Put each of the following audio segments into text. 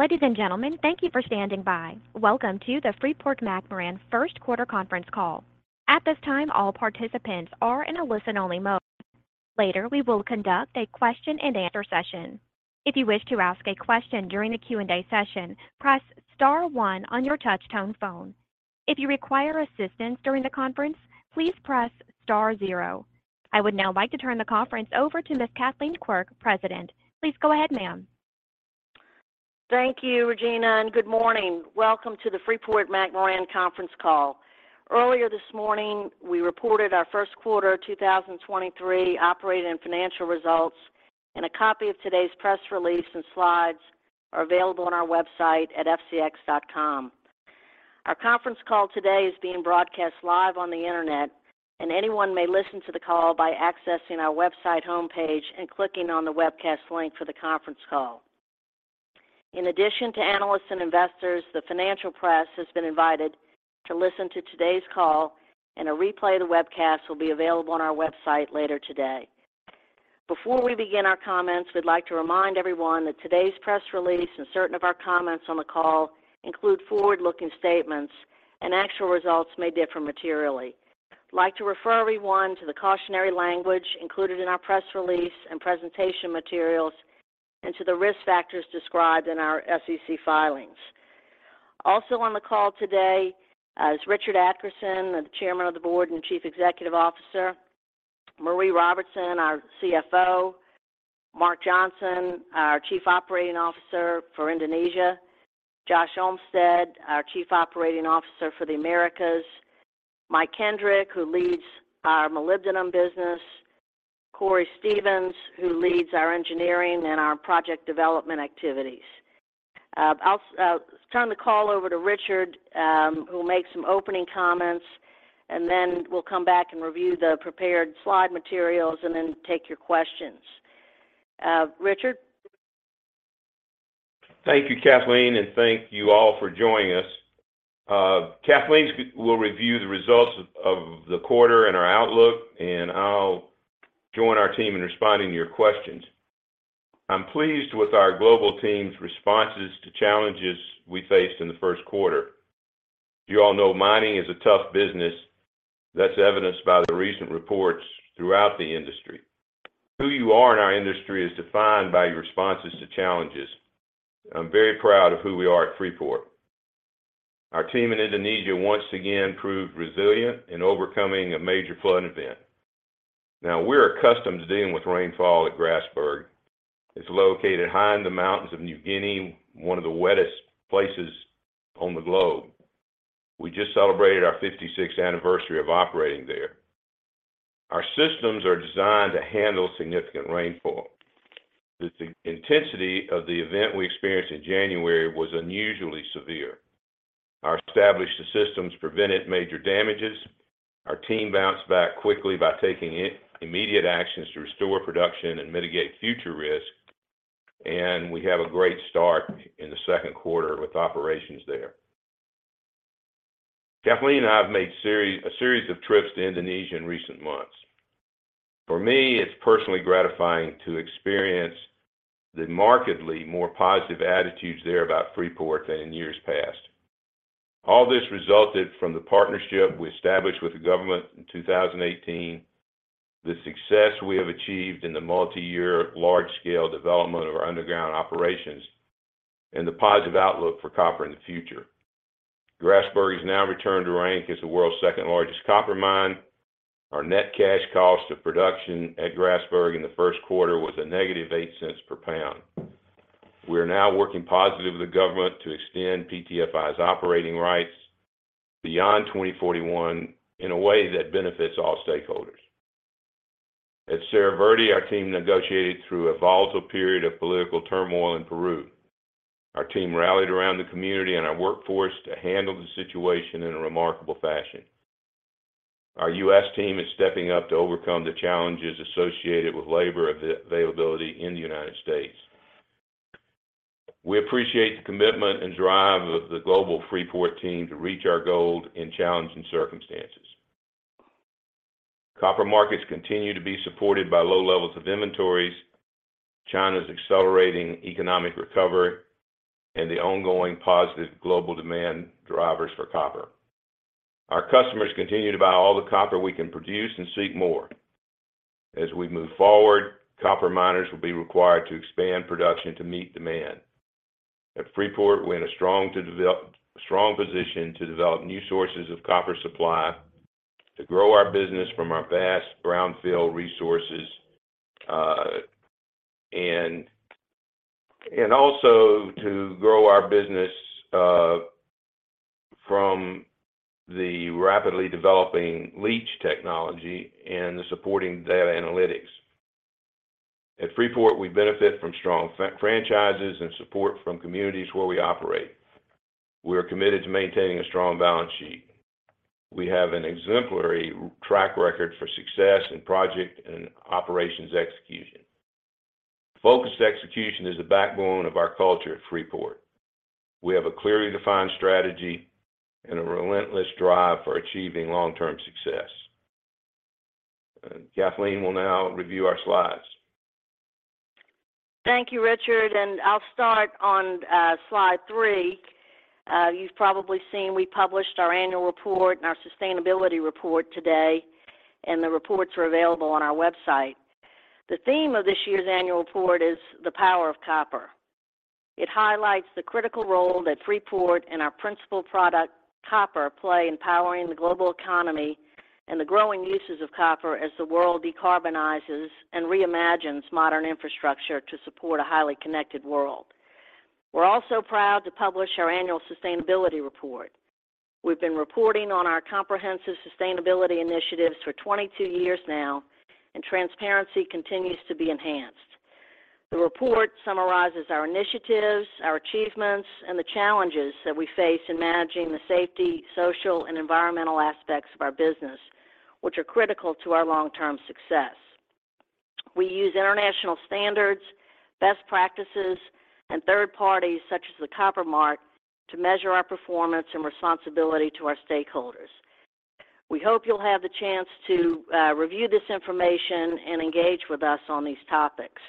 Ladies and gentlemen, thank you for standing by. Welcome to the Freeport-McMoRan first quarter conference call. At this time, all participants are in a listen-only mode. Later, we will conduct a question and answer session. If you wish to ask a question during the Q&A session, press star one on your touch-tone phone. If you require assistance during the conference, please press star zero. I would now like to turn the conference over to Ms. Kathleen Quirk, President. Please go ahead, ma'am. Thank you, Regina, and good morning. Welcome to the Freeport-McMoRan conference call. Earlier this morning, we reported our first quarter 2023 operating and financial results and a copy of today's press release and slides are available on our website at fcx.com. Our conference call today is being broadcast live on the Internet, and anyone may listen to the call by accessing our website homepage and clicking on the webcast link for the conference call. In addition to analysts and investors, the financial press has been invited to listen to today's call, and a replay of the webcast will be available on our website later today. Before we begin our comments, we'd like to remind everyone that today's press release and certain of our comments on the call include forward-looking statements and actual results may differ materially. I'd like to refer everyone to the cautionary language included in our press release and presentation materials, and to the risk factors described in our SEC filings. Also on the call today, is Richard Adkerson, the Chairman of the Board and Chief Executive Officer. Maree Robertson, our CFO. Mark Johnson, our Chief Operating Officer for Indonesia. Josh Olmsted, our Chief Operating Officer for the Americas. Mike Kendrick, who leads our molybdenum business. Cory Stevens, who leads our engineering and our project development activities. I'll turn the call over to Richard, who will make some opening comments, and then we'll come back and review the prepared slide materials and then take your questions. Richard? Thank you, Kathleen. Thank you all for joining us. Kathleen will review the results of the quarter and our outlook, and I'll join our team in responding to your questions. I'm pleased with our global team's responses to challenges we faced in the first quarter. You all know mining is a tough business. That's evidenced by the recent reports throughout the industry. Who you are in our industry is defined by your responses to challenges. I'm very proud of who we are at Freeport. Our team in Indonesia once again proved resilient in overcoming a major flood event. We're accustomed to dealing with rainfall at Grasberg. It's located high in the mountains of New Guinea, one of the wettest places on the globe. We just celebrated our fifty-sixth anniversary of operating there. Our systems are designed to handle significant rainfall. The intensity of the event we experienced in January was unusually severe. Our established systems prevented major damages. Our team bounced back quickly by taking immediate actions to restore production and mitigate future risk, and we have a great start in the second quarter with operations there. Kathleen and I have made a series of trips to Indonesia in recent months. For me, it's personally gratifying to experience the markedly more positive attitudes there about Freeport than in years past. All this resulted from the partnership we established with the government in 2018, the success we have achieved in the multi-year large scale development of our underground operations, and the positive outlook for copper in the future. Grasberg is now returned to rank as the world's second-largest copper mine. Our net cash cost of production at Grasberg in the first quarter was a negative $0.08 per pound. We are now working positively with the government to extend PTFI's operating rights beyond 2041 in a way that benefits all stakeholders. At Cerro Verde, our team negotiated through a volatile period of political turmoil in Peru. Our team rallied around the community and our workforce to handle the situation in a remarkable fashion. Our U.S. team is stepping up to overcome the challenges associated with labor availability in the United States. We appreciate the commitment and drive of the global Freeport team to reach our goal in challenging circumstances. Copper markets continue to be supported by low levels of inventories, China's accelerating economic recovery, and the ongoing positive global demand drivers for copper. Our customers continue to buy all the copper we can produce and seek more. As we move forward, copper miners will be required to expand production to meet demand. At Freeport, we're in a strong position to develop new sources of copper supply, to grow our business from our vast brownfield resources, and also to grow our business from the rapidly developing leach technology and the supporting data analytics. At Freeport, we benefit from strong franchises and support from communities where we operate. We are committed to maintaining a strong balance sheet. We have an exemplary track record for success in project and operations execution. Focused execution is the backbone of our culture at Freeport. We have a clearly defined strategy and a relentless drive for achieving long-term success. Kathleen will now review our slides. Thank you, Richard. I'll start on slide three. You've probably seen we published our annual report and our sustainability report today. The reports are available on our website. The theme of this year's annual report is The Power of Copper. It highlights the critical role that Freeport and our principal product, copper, play in powering the global economy and the growing uses of copper as the world decarbonizes and reimagines modern infrastructure to support a highly connected world. We're also proud to publish our annual sustainability report. We've been reporting on our comprehensive sustainability initiatives for 22 years now. Transparency continues to be enhanced. The report summarizes our initiatives, our achievements, and the challenges that we face in managing the safety, social, and environmental aspects of our business, which are critical to our long-term success. We use international standards, best practices, and third parties such as The Copper Mark to measure our performance and responsibility to our stakeholders. We hope you'll have the chance to review this information and engage with us on these topics.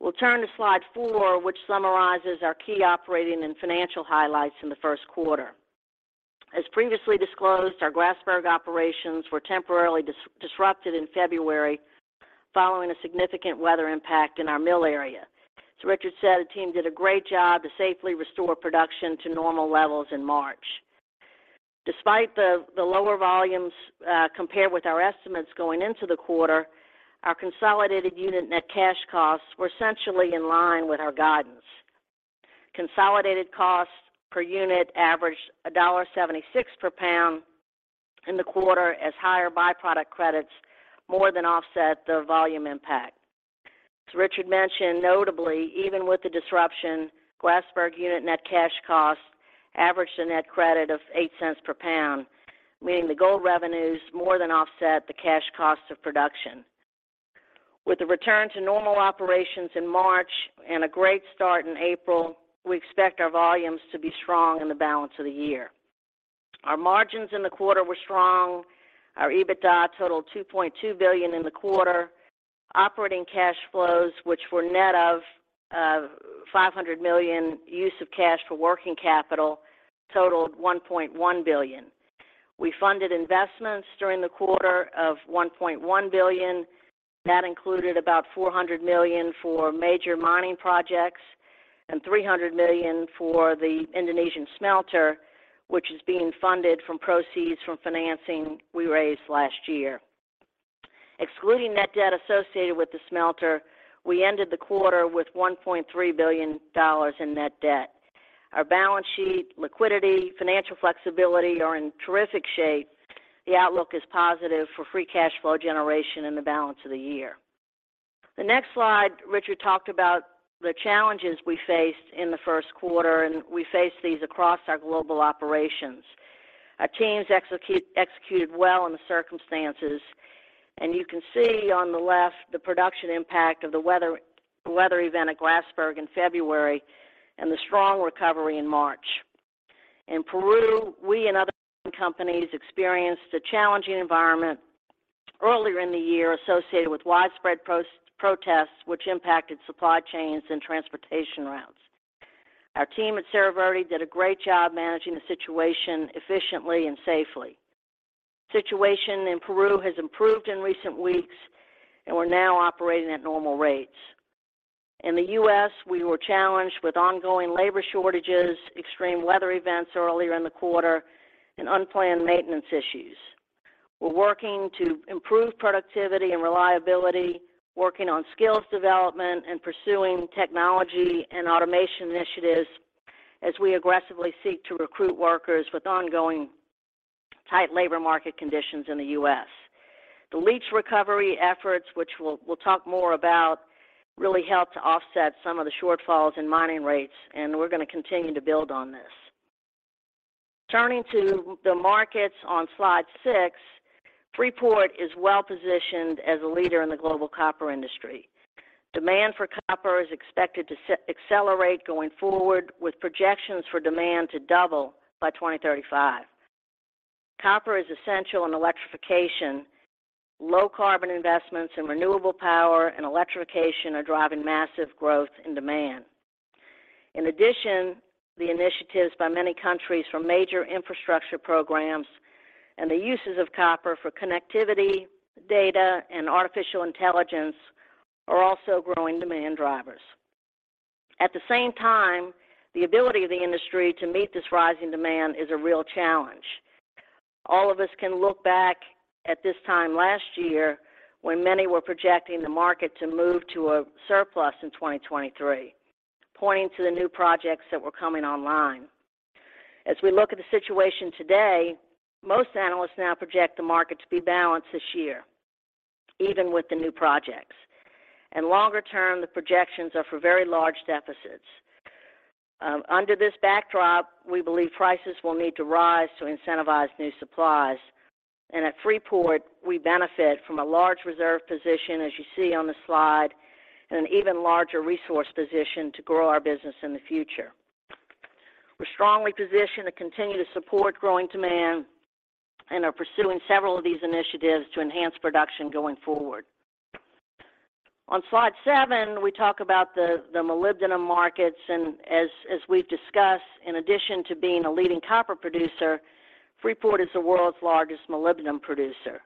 We'll turn to slide four, which summarizes our key operating and financial highlights in the first quarter. As previously disclosed, our Grasberg operations were temporarily disrupted in February following a significant weather impact in our mill area. As Richard said, the team did a great job to safely restore production to normal levels in March. Despite the lower volumes compared with our estimates going into the quarter, our consolidated unit net cash costs were essentially in line with our guidance. Consolidated costs per unit averaged $1.76 per pound in the quarter as higher byproduct credits more than offset the volume impact. As Richard mentioned, notably, even with the disruption, Grasberg unit net cash costs averaged a net credit of $0.08 per pound, meaning the gold revenues more than offset the cash costs of production. With the return to normal operations in March and a great start in April, we expect our volumes to be strong in the balance of the year. Our margins in the quarter were strong. Our EBITDA totaled $2.2 billion in the quarter. Operating cash flows, which were net of $500 million use of cash for working capital, totaled $1.1 billion. We funded investments during the quarter of $1.1 billion. That included about $400 million for major mining projects and $300 million for the Indonesian smelter, which is being funded from proceeds from financing we raised last year. Excluding net debt associated with the smelter, we ended the quarter with $1.3 billion in net debt. Our balance sheet, liquidity, financial flexibility are in terrific shape. The outlook is positive for free cash flow generation in the balance of the year. The next slide, Richard talked about the challenges we faced in the first quarter. We faced these across our global operations. Our teams executed well in the circumstances. You can see on the left the production impact of the weather event at Grasberg in February and the strong recovery in March. In Peru, we and other companies experienced a challenging environment earlier in the year associated with widespread protests which impacted supply chains and transportation routes. Our team at Cerro Verde did a great job managing the situation efficiently and safely. The situation in Peru has improved in recent weeks. We're now operating at normal rates. In the U.S., we were challenged with ongoing labor shortages, extreme weather events earlier in the quarter, and unplanned maintenance issues. We're working to improve productivity and reliability, working on skills development, and pursuing technology and automation initiatives as we aggressively seek to recruit workers with ongoing tight labor market conditions in the U.S. The leach recovery efforts, which we'll talk more about, really helped to offset some of the shortfalls in mining rates. We're gonna continue to build on this. Turning to the markets on slide six, Freeport is well-positioned as a leader in the global copper industry. Demand for copper is expected to accelerate going forward, with projections for demand to double by 2035. Copper is essential in electrification. Low carbon investments in renewable power and electrification are driving massive growth in demand. In addition, the initiatives by many countries from major infrastructure programs and the uses of copper for connectivity, data, and artificial intelligence are also growing demand drivers. At the same time, the ability of the industry to meet this rising demand is a real challenge. All of us can look back at this time last year when many were projecting the market to move to a surplus in 2023, pointing to the new projects that were coming online. As we look at the situation today, most analysts now project the market to be balanced this year, even with the new projects. Longer term, the projections are for very large deficits. Under this backdrop, we believe prices will need to rise to incentivize new supplies. At Freeport, we benefit from a large reserve position, as you see on the slide, and an even larger resource position to grow our business in the future. We're strongly positioned to continue to support growing demand and are pursuing several of these initiatives to enhance production going forward. On slide seven, we talk about the molybdenum markets. As we've discussed, in addition to being a leading copper producer, Freeport is the world's largest molybdenum producer.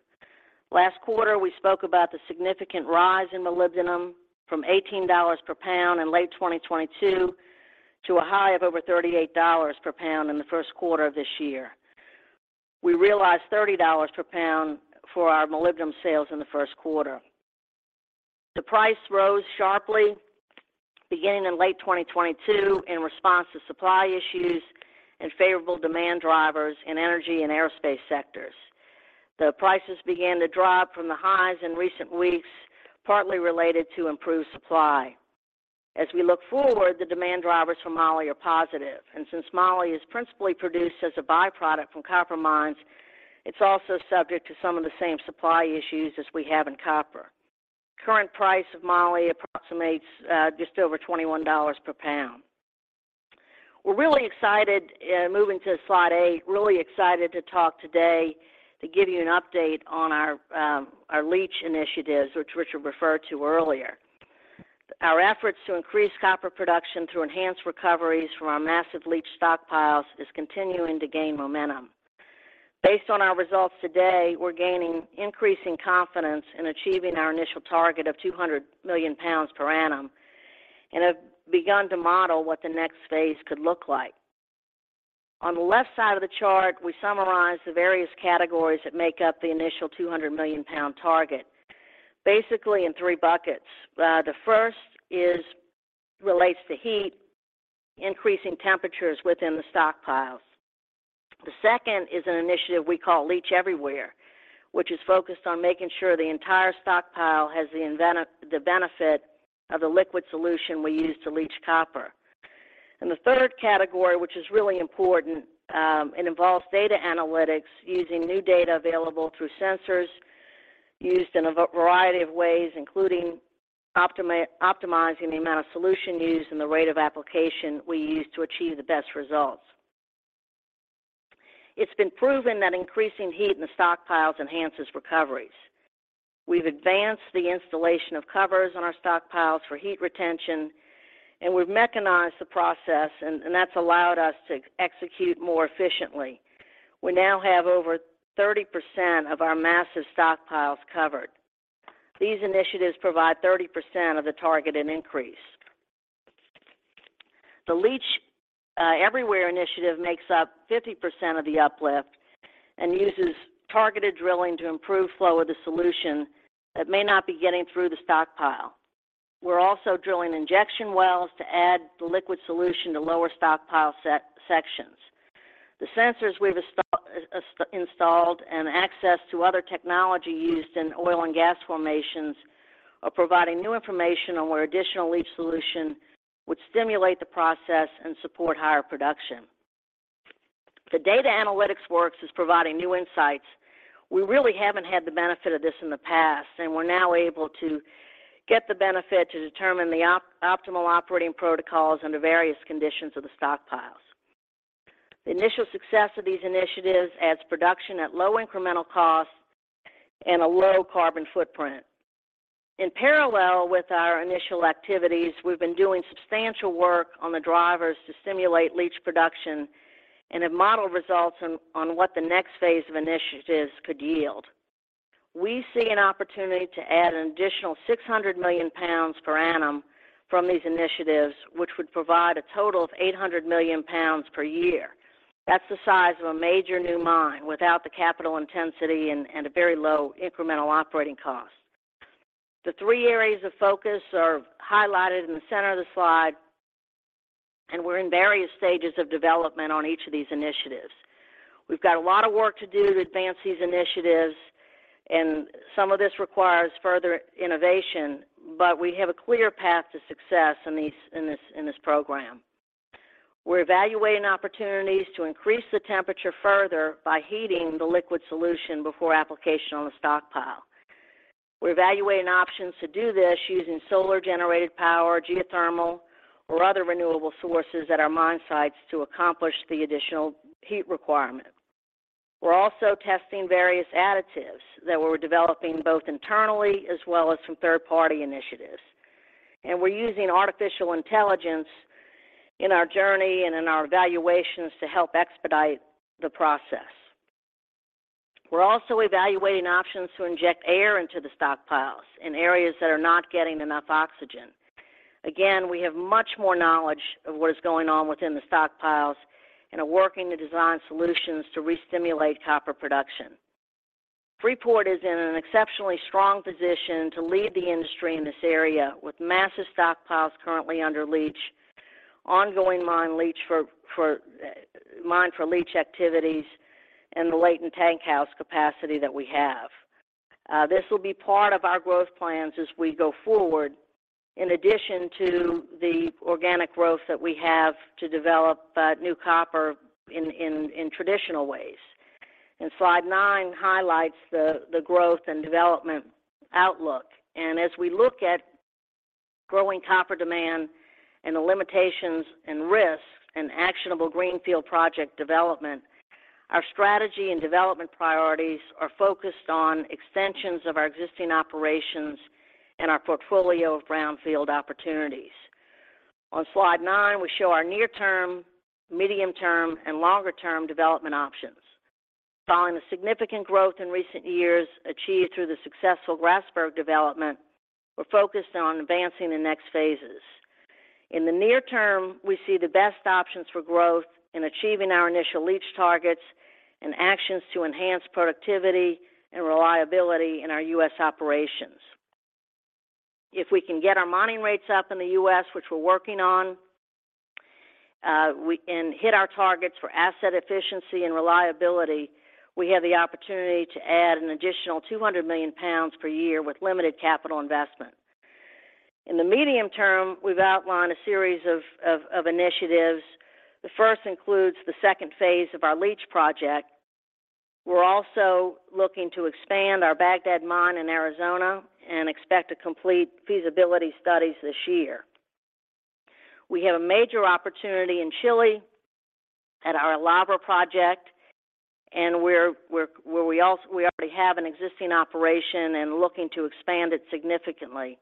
Last quarter, we spoke about the significant rise in molybdenum from $18 per pound in late 2022 to a high of over $38 per pound in the first quarter of this year. We realized $30 per pound for our molybdenum sales in the first quarter. The price rose sharply beginning in late 2022 in response to supply issues and favorable demand drivers in energy and aerospace sectors. The prices began to drop from the highs in recent weeks, partly related to improved supply. As we look forward, the demand drivers for moly are positive, and since moly is principally produced as a byproduct from copper mines, it's also subject to some of the same supply issues as we have in copper. Current price of moly approximates just over $21 per pound. We're really excited, moving to slide eight, really excited to talk today to give you an update on our leach initiatives, which Richard referred to earlier. Our efforts to increase copper production through enhanced recoveries from our massive leach stockpiles is continuing to gain momentum. Based on our results today, we're gaining increasing confidence in achieving our initial target of 200 million pounds per annum and have begun to model what the next phase could look like. On the left side of the chart, we summarize the various categories that make up the initial 200 million pound target, basically in three buckets. The first relates to heat, increasing temperatures within the stockpiles. The second is an initiative we call Leach Everywhere, which is focused on making sure the entire stockpile has the benefit of the liquid solution we use to leach copper. The third category, which is really important, and involves data analytics using new data available through sensors used in a variety of ways, including optimizing the amount of solution used and the rate of application we use to achieve the best results. It's been proven that increasing heat in the stockpiles enhances recoveries. We've advanced the installation of covers on our stockpiles for heat retention, and we've mechanized the process, and that's allowed us to execute more efficiently. We now have over 30% of our massive stockpiles covered. These initiatives provide 30% of the targeted increase. The Leach Everywhere initiative makes up 50% of the uplift and uses targeted drilling to improve flow of the solution that may not be getting through the stockpile. We're also drilling injection wells to add the liquid solution to lower stockpile set-sections. The sensors we've installed and access to other technology used in oil and gas formations are providing new information on where additional leach solution would stimulate the process and support higher production. The data analytics works is providing new insights. We really haven't had the benefit of this in the past, and we're now able to get the benefit to determine the optimal operating protocols under various conditions of the stockpiles. The initial success of these initiatives adds production at low incremental costs and a low carbon footprint. In parallel with our initial activities, we've been doing substantial work on the drivers to stimulate leach production and have modeled results on what the next phase of initiatives could yield. We see an opportunity to add an additional 600 million pounds per annum from these initiatives, which would provide a total of 800 million pounds per year. That's the size of a major new mine without the capital intensity and a very low incremental operating cost. The three areas of focus are highlighted in the center of the slide, and we're in various stages of development on each of these initiatives. We've got a lot of work to do to advance these initiatives, and some of this requires further innovation, but we have a clear path to success in this program. We're evaluating opportunities to increase the temperature further by heating the liquid solution before application on the stockpile. We're evaluating options to do this using solar-generated power, geothermal, or other renewable sources at our mine sites to accomplish the additional heat requirement. We're also testing various additives that we're developing both internally as well as some third-party initiatives, and we're using artificial intelligence in our journey and in our evaluations to help expedite the process. We're also evaluating options to inject air into the stockpiles in areas that are not getting enough oxygen. Again, we have much more knowledge of what is going on within the stockpiles and are working to design solutions to re-stimulate copper production. Freeport is in an exceptionally strong position to lead the industry in this area with massive stockpiles currently under leach, ongoing mine leach for mine for leach activities, and the latent tankhouse capacity that we have. This will be part of our growth plans as we go forward in addition to the organic growth that we have to develop new copper in traditional ways. Slide nine highlights the growth and development outlook. As we look at growing copper demand and the limitations and risks in actionable greenfield project development, our strategy and development priorities are focused on extensions of our existing operations and our portfolio of brownfield opportunities. On slide nine, we show our near-term, medium-term, and longer-term development options. Following the significant growth in recent years achieved through the successful Grasberg development, we're focused on advancing the next phases. In the near term, we see the best options for growth in achieving our initial leach targets and actions to enhance productivity and reliability in our U.S. operations. If we can get our mining rates up in the U.S., which we're working on, and hit our targets for asset efficiency and reliability, we have the opportunity to add an additional 200 million pounds per year with limited capital investment. In the medium term, we've outlined a series of initiatives. The first includes the second phase of our leach project. We're also looking to expand our Bagdad Mine in Arizona and expect to complete feasibility studies this year. We have a major opportunity in Chile at our El Abra project, where we already have an existing operation and looking to expand it significantly.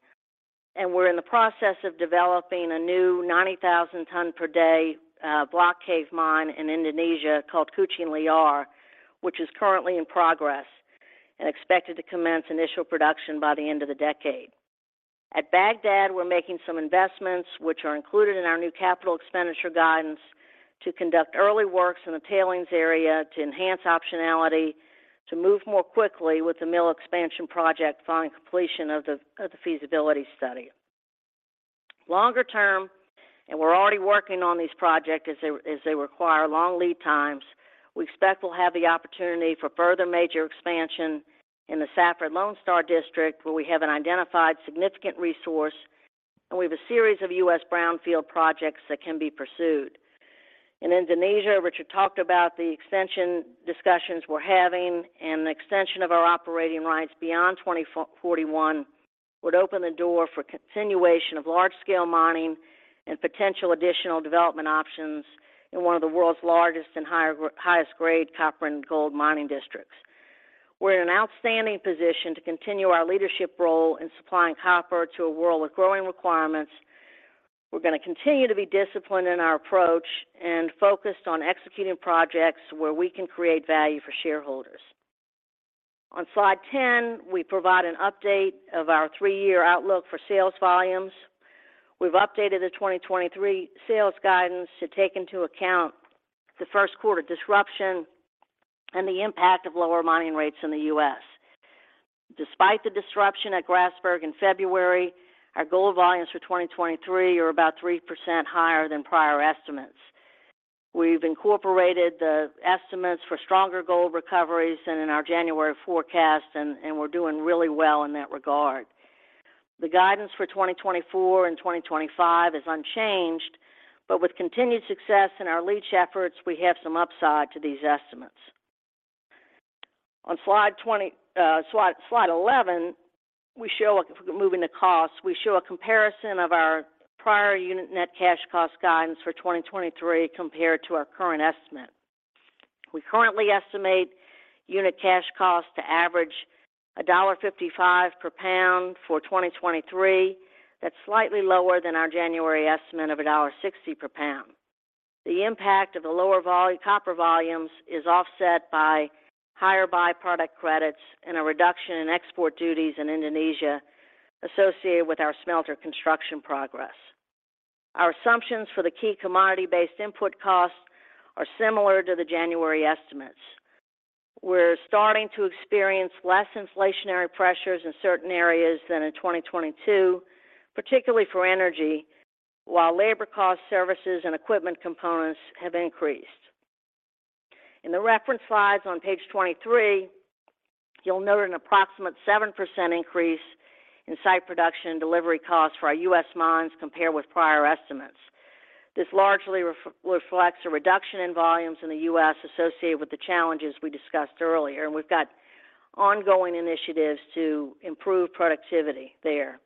We're in the process of developing a new 90,000 ton per day block cave mine in Indonesia called Kucing Liar, which is currently in progress and expected to commence initial production by the end of the decade. At Bagdad, we're making some investments, which are included in our new capital expenditure guidance, to conduct early works in the tailings area to enhance optionality to move more quickly with the mill expansion project following completion of the feasibility study. Longer term, and we're already working on these projects as they require long lead times. We expect we'll have the opportunity for further major expansion in the Safford Lone Star district, where we have an identified significant resource, and we have a series of U.S. brownfield projects that can be pursued. In Indonesia, Richard talked about the extension discussions we're having, and the extension of our operating rights beyond 2041 would open the door for continuation of large-scale mining and potential additional development options in one of the world's largest and highest grade copper and gold mining districts. We're in an outstanding position to continue our leadership role in supplying copper to a world with growing requirements. We're gonna continue to be disciplined in our approach and focused on executing projects where we can create value for shareholders. On slide 10, we provide an update of our three-year outlook for sales volumes. We've updated the 2023 sales guidance to take into account the first quarter disruption and the impact of lower mining rates in the U.S. Despite the disruption at Grasberg in February, our gold volumes for 2023 are about 3% higher than prior estimates. We've incorporated the estimates for stronger gold recoveries than in our January forecast, and we're doing really well in that regard. The guidance for 2024 and 2025 is unchanged, but with continued success in our leach efforts, we have some upside to these estimates. On slide 11, we show a moving to cost, we show a comparison of our prior unit net cash cost guidance for 2023 compared to our current estimate. We currently estimate unit cash costs to average $1.55 per pound for 2023. That's slightly lower than our January estimate of $1.60 per pound. The impact of the lower copper volumes is offset by higher by-product credits and a reduction in export duties in Indonesia associated with our smelter construction progress. Our assumptions for the key commodity-based input costs are similar to the January estimates. We're starting to experience less inflationary pressures in certain areas than in 2022, particularly for energy, while labor cost services and equipment components have increased. In the reference slides on page 23, you'll note an approximate 7% increase in site production and delivery costs for our U.S. mines compared with prior estimates. This largely reflects a reduction in volumes in the U.S. associated with the challenges we discussed earlier, and we've got ongoing initiatives to improve productivity there.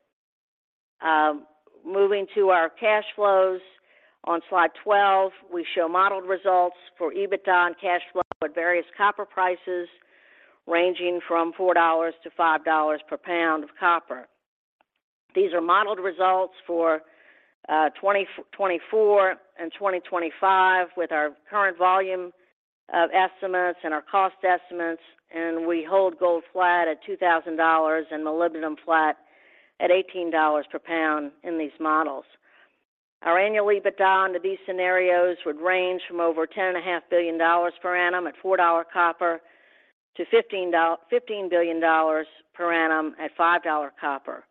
Moving to our cash flows on slide 12, we show modeled results for EBITDA and cash flow at various copper prices ranging from $4-$5 per pound of copper. These are modeled results for 2024 and 2025 with our current volume of estimates and our cost estimates, and we hold gold flat at $2,000 and molybdenum flat at $18 per pound in these models. Our annual EBITDA under these scenarios would range from over $10.5 billion per annum at $4 copper to $15 billion per annum at $5 copper.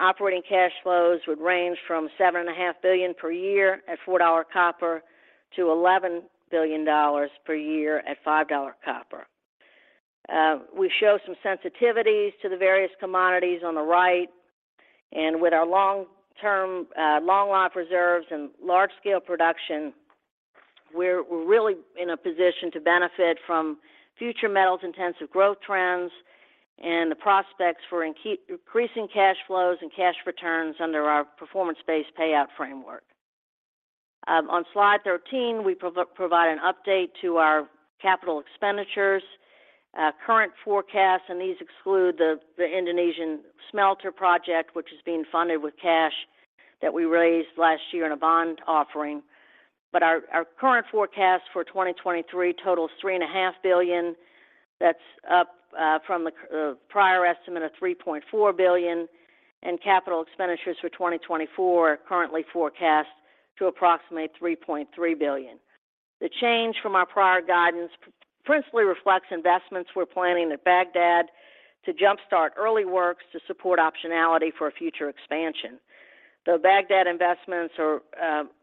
Operating cash flows would range from $7.5 billion per year at $4 copper to $11 billion per year at $5 copper. We show some sensitivities to the various commodities on the right. With our long-term, long life reserves and large scale production, we're really in a position to benefit from future metals-intensive growth trends and the prospects for increasing cash flows and cash returns under our performance-based payout framework. On slide 13, we provide an update to our capital expenditures, current forecasts, and these exclude the Indonesian smelter project, which is being funded with cash that we raised last year in a bond offering. Our current forecast for 2023 totals $3.5 billion. That's up from the prior estimate of $3.4 billion, and capital expenditures for 2024 are currently forecast to approximate $3.3 billion. The change from our prior guidance principally reflects investments we're planning at Bagdad to jump-start early works to support optionality for a future expansion. The Bagdad investments are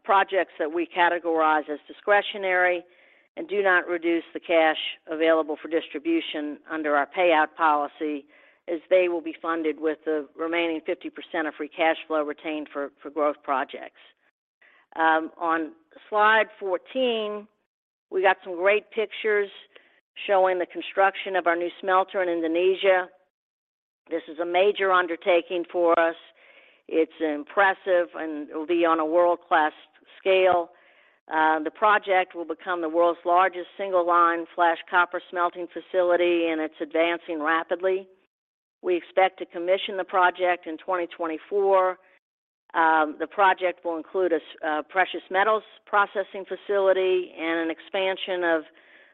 projects that we categorize as discretionary and do not reduce the cash available for distribution under our payout policy, as they will be funded with the remaining 50% of free cash flow retained for growth projects. On slide 14, we got some great pictures showing the construction of our new smelter in Indonesia. This is a major undertaking for us. It's impressive, and it'll be on a world-class scale. The project will become the world's largest single-line flash copper smelting facility, it's advancing rapidly. We expect to commission the project in 2024. The project will include a precious metals processing facility and an expansion of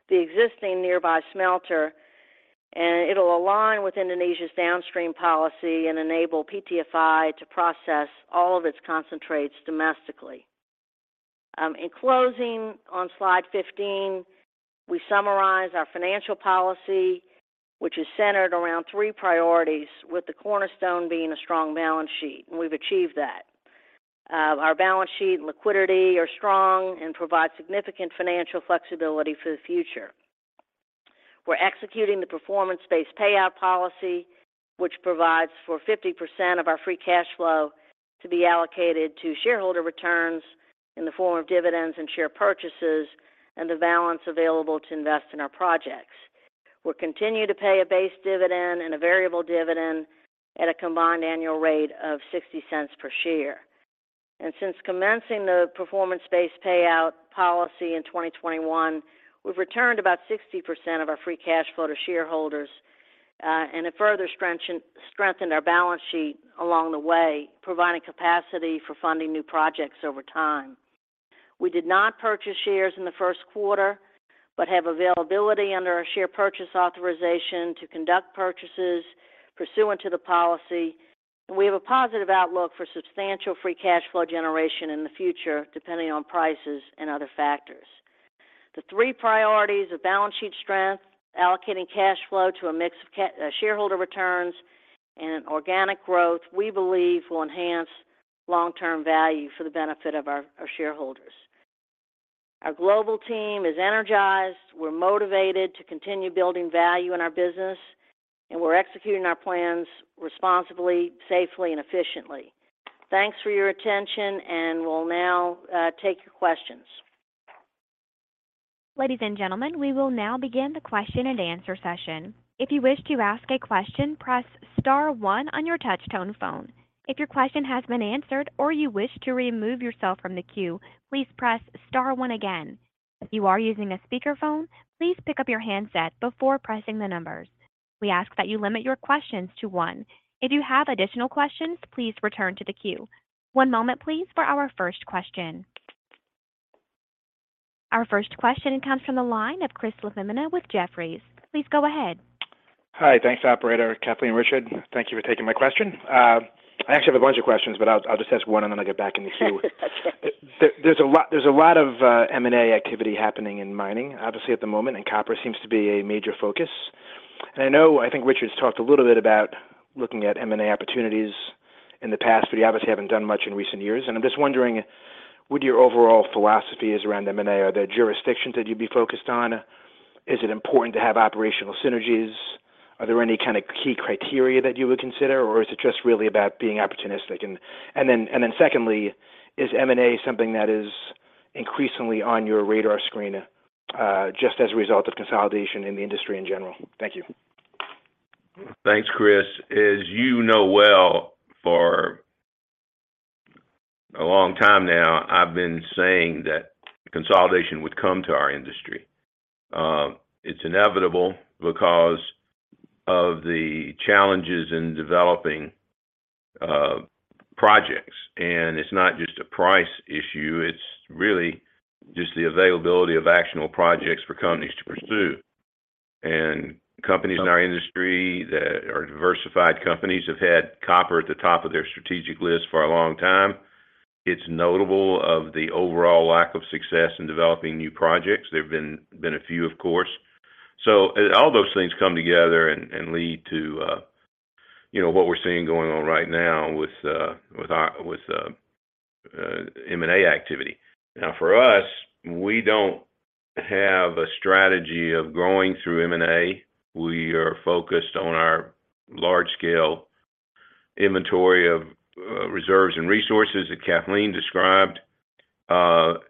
the existing nearby smelter, it'll align with Indonesia's downstream policy and enable PTFI to process all of its concentrates domestically. In closing, on slide 15, we summarize our financial policy, which is centered around three priorities, with the cornerstone being a strong balance sheet, we've achieved that. Our balance sheet and liquidity are strong and provide significant financial flexibility for the future. We're executing the performance-based payout policy, which provides for 50% of our free cash flow to be allocated to shareholder returns in the form of dividends and share purchases and the balance available to invest in our projects. We'll continue to pay a base dividend and a variable dividend at a combined annual rate of $0.60 per share. Since commencing the performance-based payout policy in 2021, we've returned about 60% of our free cash flow to shareholders, and it further strengthened our balance sheet along the way, providing capacity for funding new projects over time. We did not purchase shares in the first quarter but have availability under our share purchase authorization to conduct purchases pursuant to the policy. We have a positive outlook for substantial free cash flow generation in the future, depending on prices and other factors. The three priorities of balance sheet strength, allocating cash flow to a mix of shareholder returns, and organic growth, we believe will enhance long-term value for the benefit of our shareholders. Our global team is energized. We're motivated to continue building value in our business, and we're executing our plans responsibly, safely, and efficiently. Thanks for your attention, we'll now take your questions. Ladies and gentlemen, we will now begin the question-and-answer session. If you wish to ask a question, press star one on your touch-tone phone. If your question has been answered or you wish to remove yourself from the queue, please press star one again. If you are using a speakerphone, please pick up your handset before pressing the numbers. We ask that you limit your questions to one. If you have additional questions, please return to the queue. One moment, please, for our first question. Our first question comes from the line of Chris LaFemina with Jefferies. Please go ahead. Hi. Thanks, operator. Kathleen, Richard, thank you for taking my question. I actually have a bunch of questions, I'll just ask one, and then I'll get back in the queue. There's a lot of M&A activity happening in mining, obviously, at the moment, Copper seems to be a major focus. I know, I think Richard's talked a little bit about looking at M&A opportunities in the past, you obviously haven't done much in recent years. I'm just wondering what your overall philosophy is around M&A. Are there jurisdictions that you'd be focused on? Is it important to have operational synergies? Are there any kind of key criteria that you would consider, or is it just really about being opportunistic? Then, secondly, is M&A something that is increasingly on your radar screen, just as a result of consolidation in the industry in general? Thank you. Thanks, Chris. As you know well, for a long time now, I've been saying that consolidation would come to our industry. It's inevitable because of the challenges in developing projects. It's not just a price issue, it's really just the availability of actionable projects for companies to pursue. Companies in our industry that are diversified companies have had copper at the top of their strategic list for a long time. It's notable of the overall lack of success in developing new projects. There have been a few, of course. All those things come together and lead to, you know, what we're seeing going on right now with our M&A activity. Now, for us, we don't have a strategy of growing through M&A. We are focused on our large-scale- inventory of reserves and resources that Kathleen described. That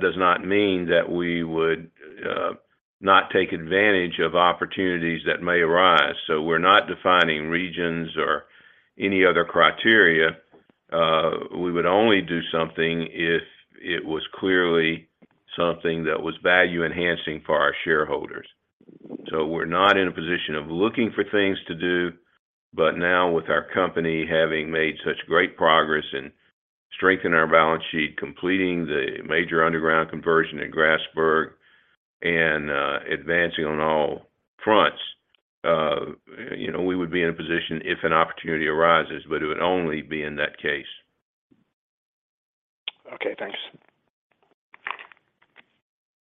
does not mean that we would not take advantage of opportunities that may arise. We're not defining regions or any other criteria. We would only do something if it was clearly something that was value-enhancing for our shareholders. We're not in a position of looking for things to do, but now with our company having made such great progress in strengthening our balance sheet, completing the major underground conversion at Grasberg, and advancing on all fronts, you know, we would be in a position if an opportunity arises. It would only be in that case. Okay, thanks.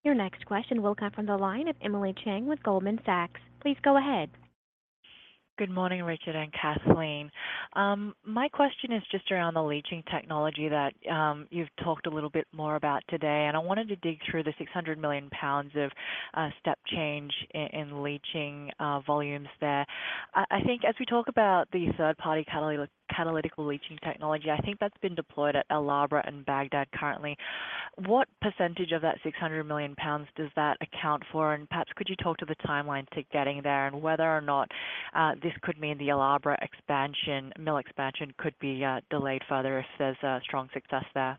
Your next question will come from the line of Emily Chieng with Goldman Sachs. Please go ahead. Good morning, Richard and Kathleen. My question is just around the leaching technology that you've talked a little bit more about today, and I wanted to dig through the 600 million pounds of step change in leaching volumes there. I think as we talk about the third-party catalytic leaching technology, I think that's been deployed at El Abra and Bagdad currently. What percentage of that 600 million pounds does that account for? Perhaps could you talk to the timeline to getting there and whether or not this could mean the El Abra expansion, mill expansion could be delayed further if there's a strong success there?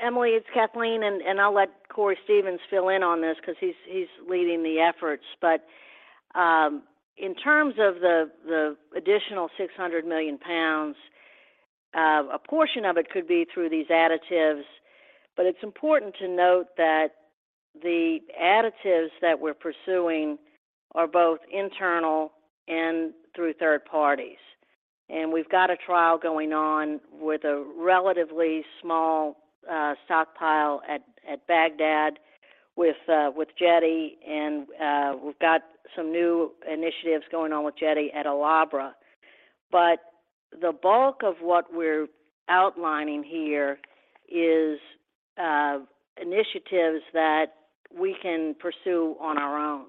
Emily, it's Kathleen, and I'll let Cory Stevens fill in on this 'cause he's leading the efforts. In terms of the additional 600 million pounds, a portion of it could be through these additives, but it's important to note that the additives that we're pursuing are both internal and through third parties. We've got a trial going on with a relatively small stockpile at Bagdad with Jetti, we've got some new initiatives going on with Jetti at El Abra. The bulk of what we're outlining here is initiatives that we can pursue on our own.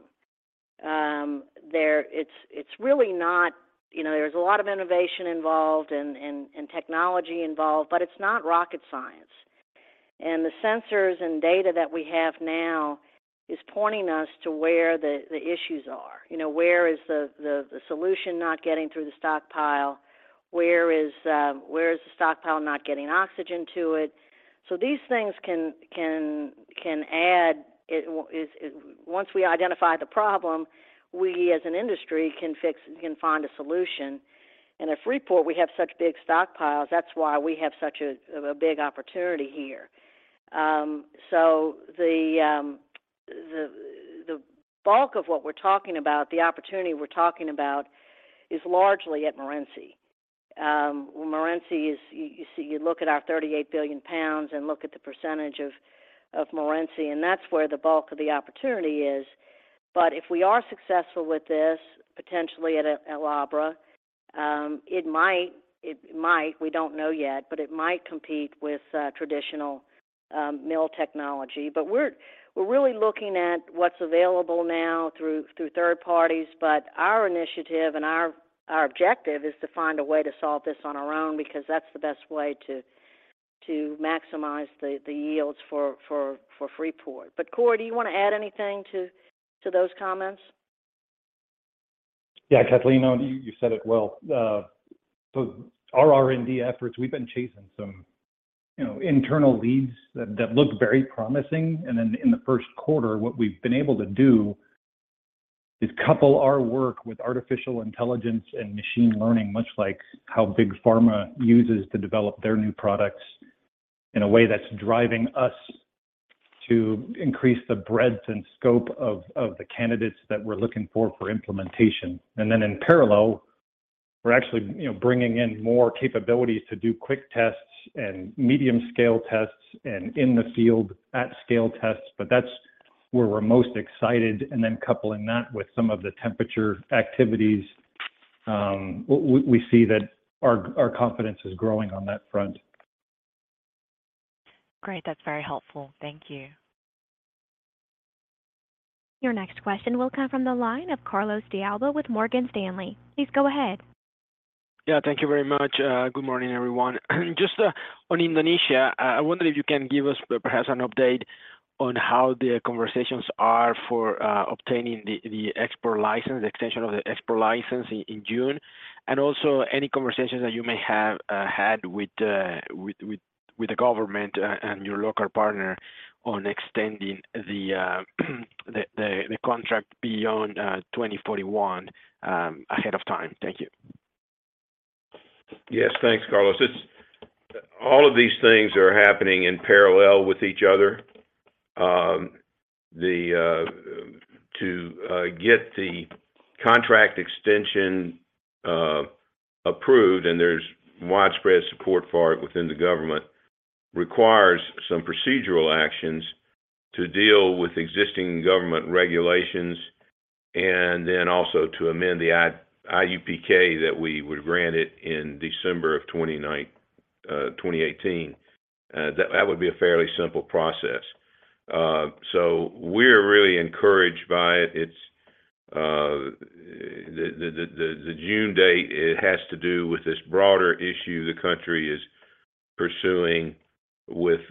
It's really not, you know, there's a lot of innovation involved and technology involved, but it's not rocket science. The sensors and data that we have now is pointing us to where the issues are. You know, where is the solution not getting through the stockpile? Where is the stockpile not getting oxygen to it? These things can add it. Once we identify the problem, we as an industry can find a solution. At Freeport, we have such big stockpiles, that's why we have such a big opportunity here. The bulk of what we're talking about, the opportunity we're talking about is largely at Morenci. Morenci is, you see, you look at our 38 billion pounds and look at the percentage of Morenci, and that's where the bulk of the opportunity is. If we are successful with this, potentially at El Abra, it might, we don't know yet, but it might compete with traditional mill technology. We're really looking at what's available now through third parties, but our initiative and our objective is to find a way to solve this on our own because that's the best way to maximize the yields for Freeport. Cory, do you wanna add anything to those comments? Yeah, Kathleen, no, you said it well. Our R&D efforts, we've been chasing some, you know, internal leads that look very promising. In the first quarter, what we've been able to do is couple our work with artificial intelligence and machine learning, much like how Big Pharma uses to develop their new products, in a way that's driving us to increase the breadth and scope of the candidates that we're looking for for implementation. In parallel, we're actually, you know, bringing in more capabilities to do quick tests and medium scale tests and in the field at scale tests. That's where we're most excited, coupling that with some of the temperature activities, we see that our confidence is growing on that front. Great. That's very helpful. Thank you. Your next question will come from the line of Carlos de Alba with Morgan Stanley. Please go ahead. Yeah. Thank you very much. Good morning, everyone. Just on Indonesia. I wonder if you can give us perhaps an update on how the conversations are for obtaining the export license, the extension of the export license in June? And also any conversations that you may have had with the government and your local partner on extending the contract beyond 2041 ahead of time? Thank you. Yes, thanks, Carlos. It's, all of these things are happening in parallel with each other. To get the contract extension approved, and there's widespread support for it within the government, requires some procedural actions to deal with existing government regulations and then also to amend the IUPK that we were granted in December of 2018. That would be a fairly simple process. So we're really encouraged by it. It's the June date, it has to do with this broader issue the country is pursuing with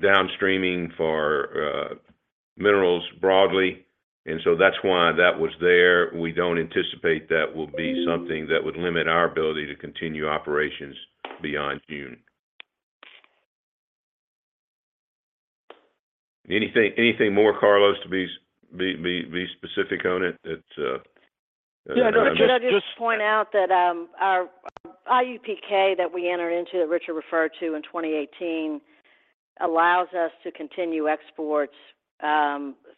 downstreaming for minerals broadly. That's why that was there. We don't anticipate that will be something that would limit our ability to continue operations beyond June. Anything more, Carlos, to be specific on it? It, you know. Yeah. No, can I just point out that, our IUPK that we entered into, that Richard referred to, in 2018 allows us to continue exports,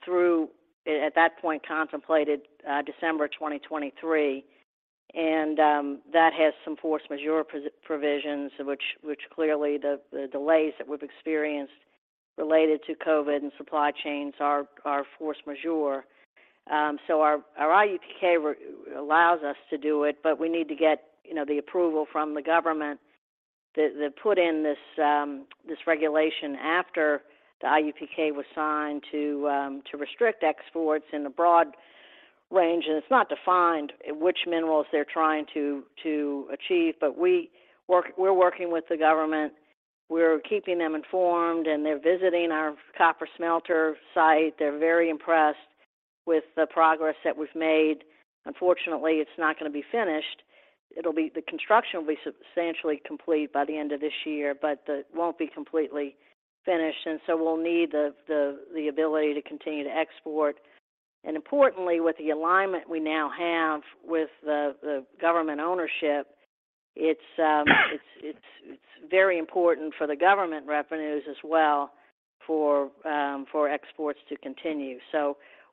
through, at that point contemplated, December 2023. That has some force majeure provisions, which clearly the delays that we've experienced related to COVID and supply chains are force majeure. So our IUPK allows us to do it, but we need to get, you know, the approval from the government that put in this regulation after the IUPK was signed to restrict exports in a broad range. It's not defined which minerals they're trying to achieve, but we're working with the government. We're keeping them informed, and they're visiting our copper smelter site. They're very impressed with the progress that we've made. Unfortunately, it's not gonna be finished. The construction will be substantially complete by the end of this year, but won't be completely finished, and so we'll need the, the ability to continue to export. Importantly, with the alignment we now have with the government ownership, it's, it's very important for the government revenues as well for exports to continue.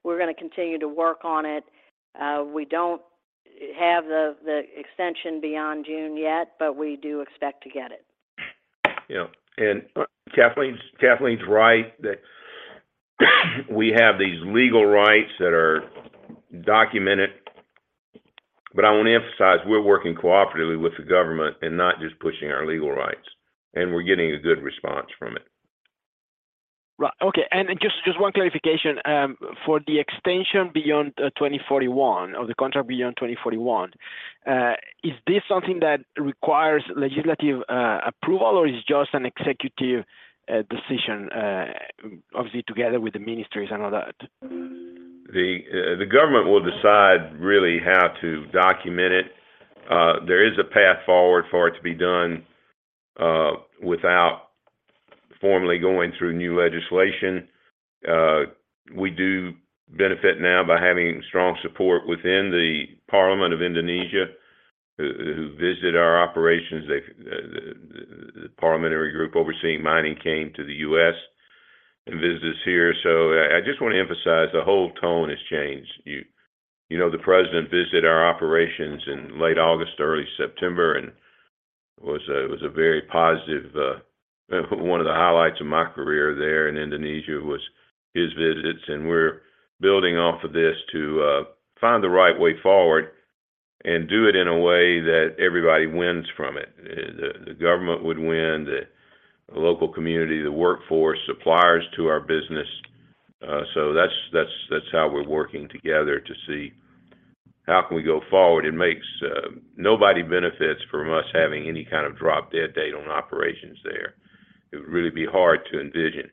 We're gonna continue to work on it. We don't have the extension beyond June yet, but we do expect to get it. Yeah. Kathleen's right that we have these legal rights that are documented. I want to emphasize, we're working cooperatively with the government and not just pushing our legal rights, and we're getting a good response from it. Right. Okay. Just one clarification. For the extension beyond 2041 or the contract beyond 2041, is this something that requires legislative approval, or is it just an executive decision, obviously together with the ministries and all that? The government will decide really how to document it. There is a path forward for it to be done without formally going through new legislation. We do benefit now by having strong support within the Parliament of Indonesia, who visit our operations. The parliamentary group overseeing mining came to the US and visited us here. I just want to emphasize the whole tone has changed. You know, the president visited our operations in late August, early September, and it was a very positive. One of the highlights of my career there in Indonesia was his visits, and we're building off of this to find the right way forward and do it in a way that everybody wins from it. The, the government would win, the local community, the workforce, suppliers to our business. That's how we're working together to see how can we go forward. It makes Nobody benefits from us having any kind of drop-dead date on operations there. It would really be hard to envision.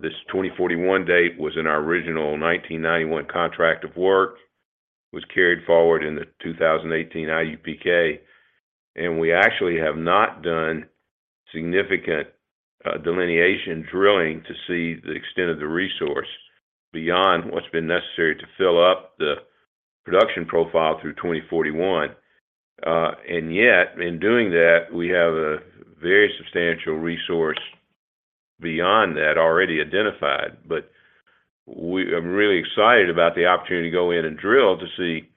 This 2041 date was in our original 1991 contract of work, was carried forward in the 2018 IUPK. We actually have not done significant delineation drilling to see the extent of the resource beyond what's been necessary to fill up the production profile through 2041. In doing that, we have a very substantial resource beyond that already identified. I'm really excited about the opportunity to go in and drill to see,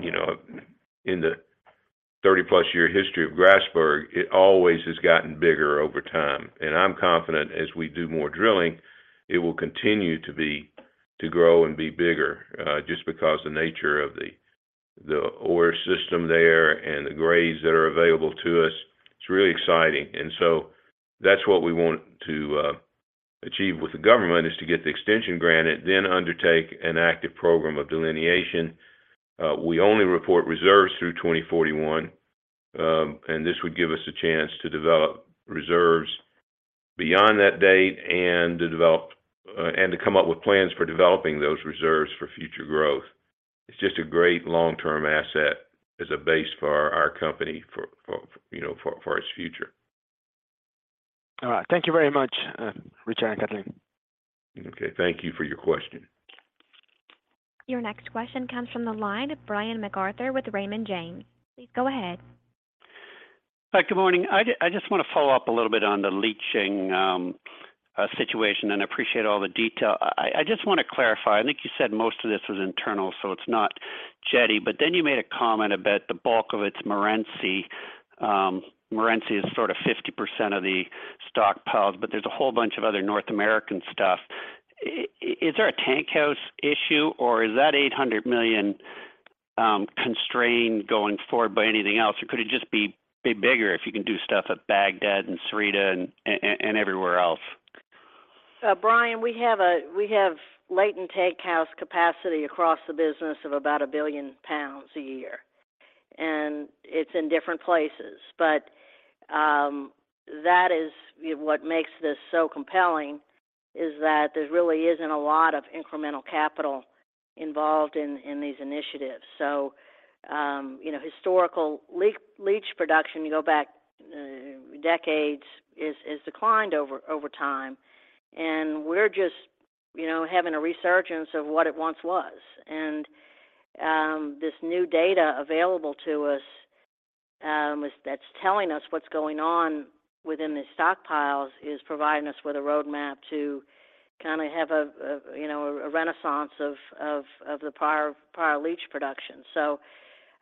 you know, in the 30-plus year history of Grasberg, it always has gotten bigger over time. I'm confident as we do more drilling, it will continue to grow and be bigger, just because the nature of the ore system there and the grades that are available to us. It's really exciting. That's what we want to achieve with the government, is to get the extension granted, then undertake an active program of delineation. We only report reserves through 2041, and this would give us a chance to develop reserves beyond that date and to develop and to come up with plans for developing those reserves for future growth. It's just a great long-term asset as a base for our company for, you know, for its future. All right. Thank you very much, Richard and Kathleen. Okay. Thank you for your question. Your next question comes from the line of Brian MacArthur with Raymond James. Please go ahead. Hi. Good morning. I just wanna follow up a little bit on the leaching situation, and appreciate all the detail. I just wanna clarify. I think you said most of this was internal, so it's not Jetti. You made a comment about the bulk of it's Morenci. Morenci is sort of 50% of the stockpiles, but there's a whole bunch of other North American stuff. Is there a tankhouse issue, or is that $800 million constrained going forward by anything else, or could it just be bigger if you can do stuff at Bagdad and Sierrita and everywhere else? Brian, we have latent tankhouse capacity across the business of about 1 billion pounds a year, and it's in different places. That is, you know, what makes this so compelling, is that there really isn't a lot of incremental capital involved in these initiatives. You know, historical leach production, you go back decades, is declined over time. We're just, you know, having a resurgence of what it once was. This new data available to us, that's telling us what's going on within the stockpiles, is providing us with a roadmap to kind of have a, you know, a renaissance of the prior leach production.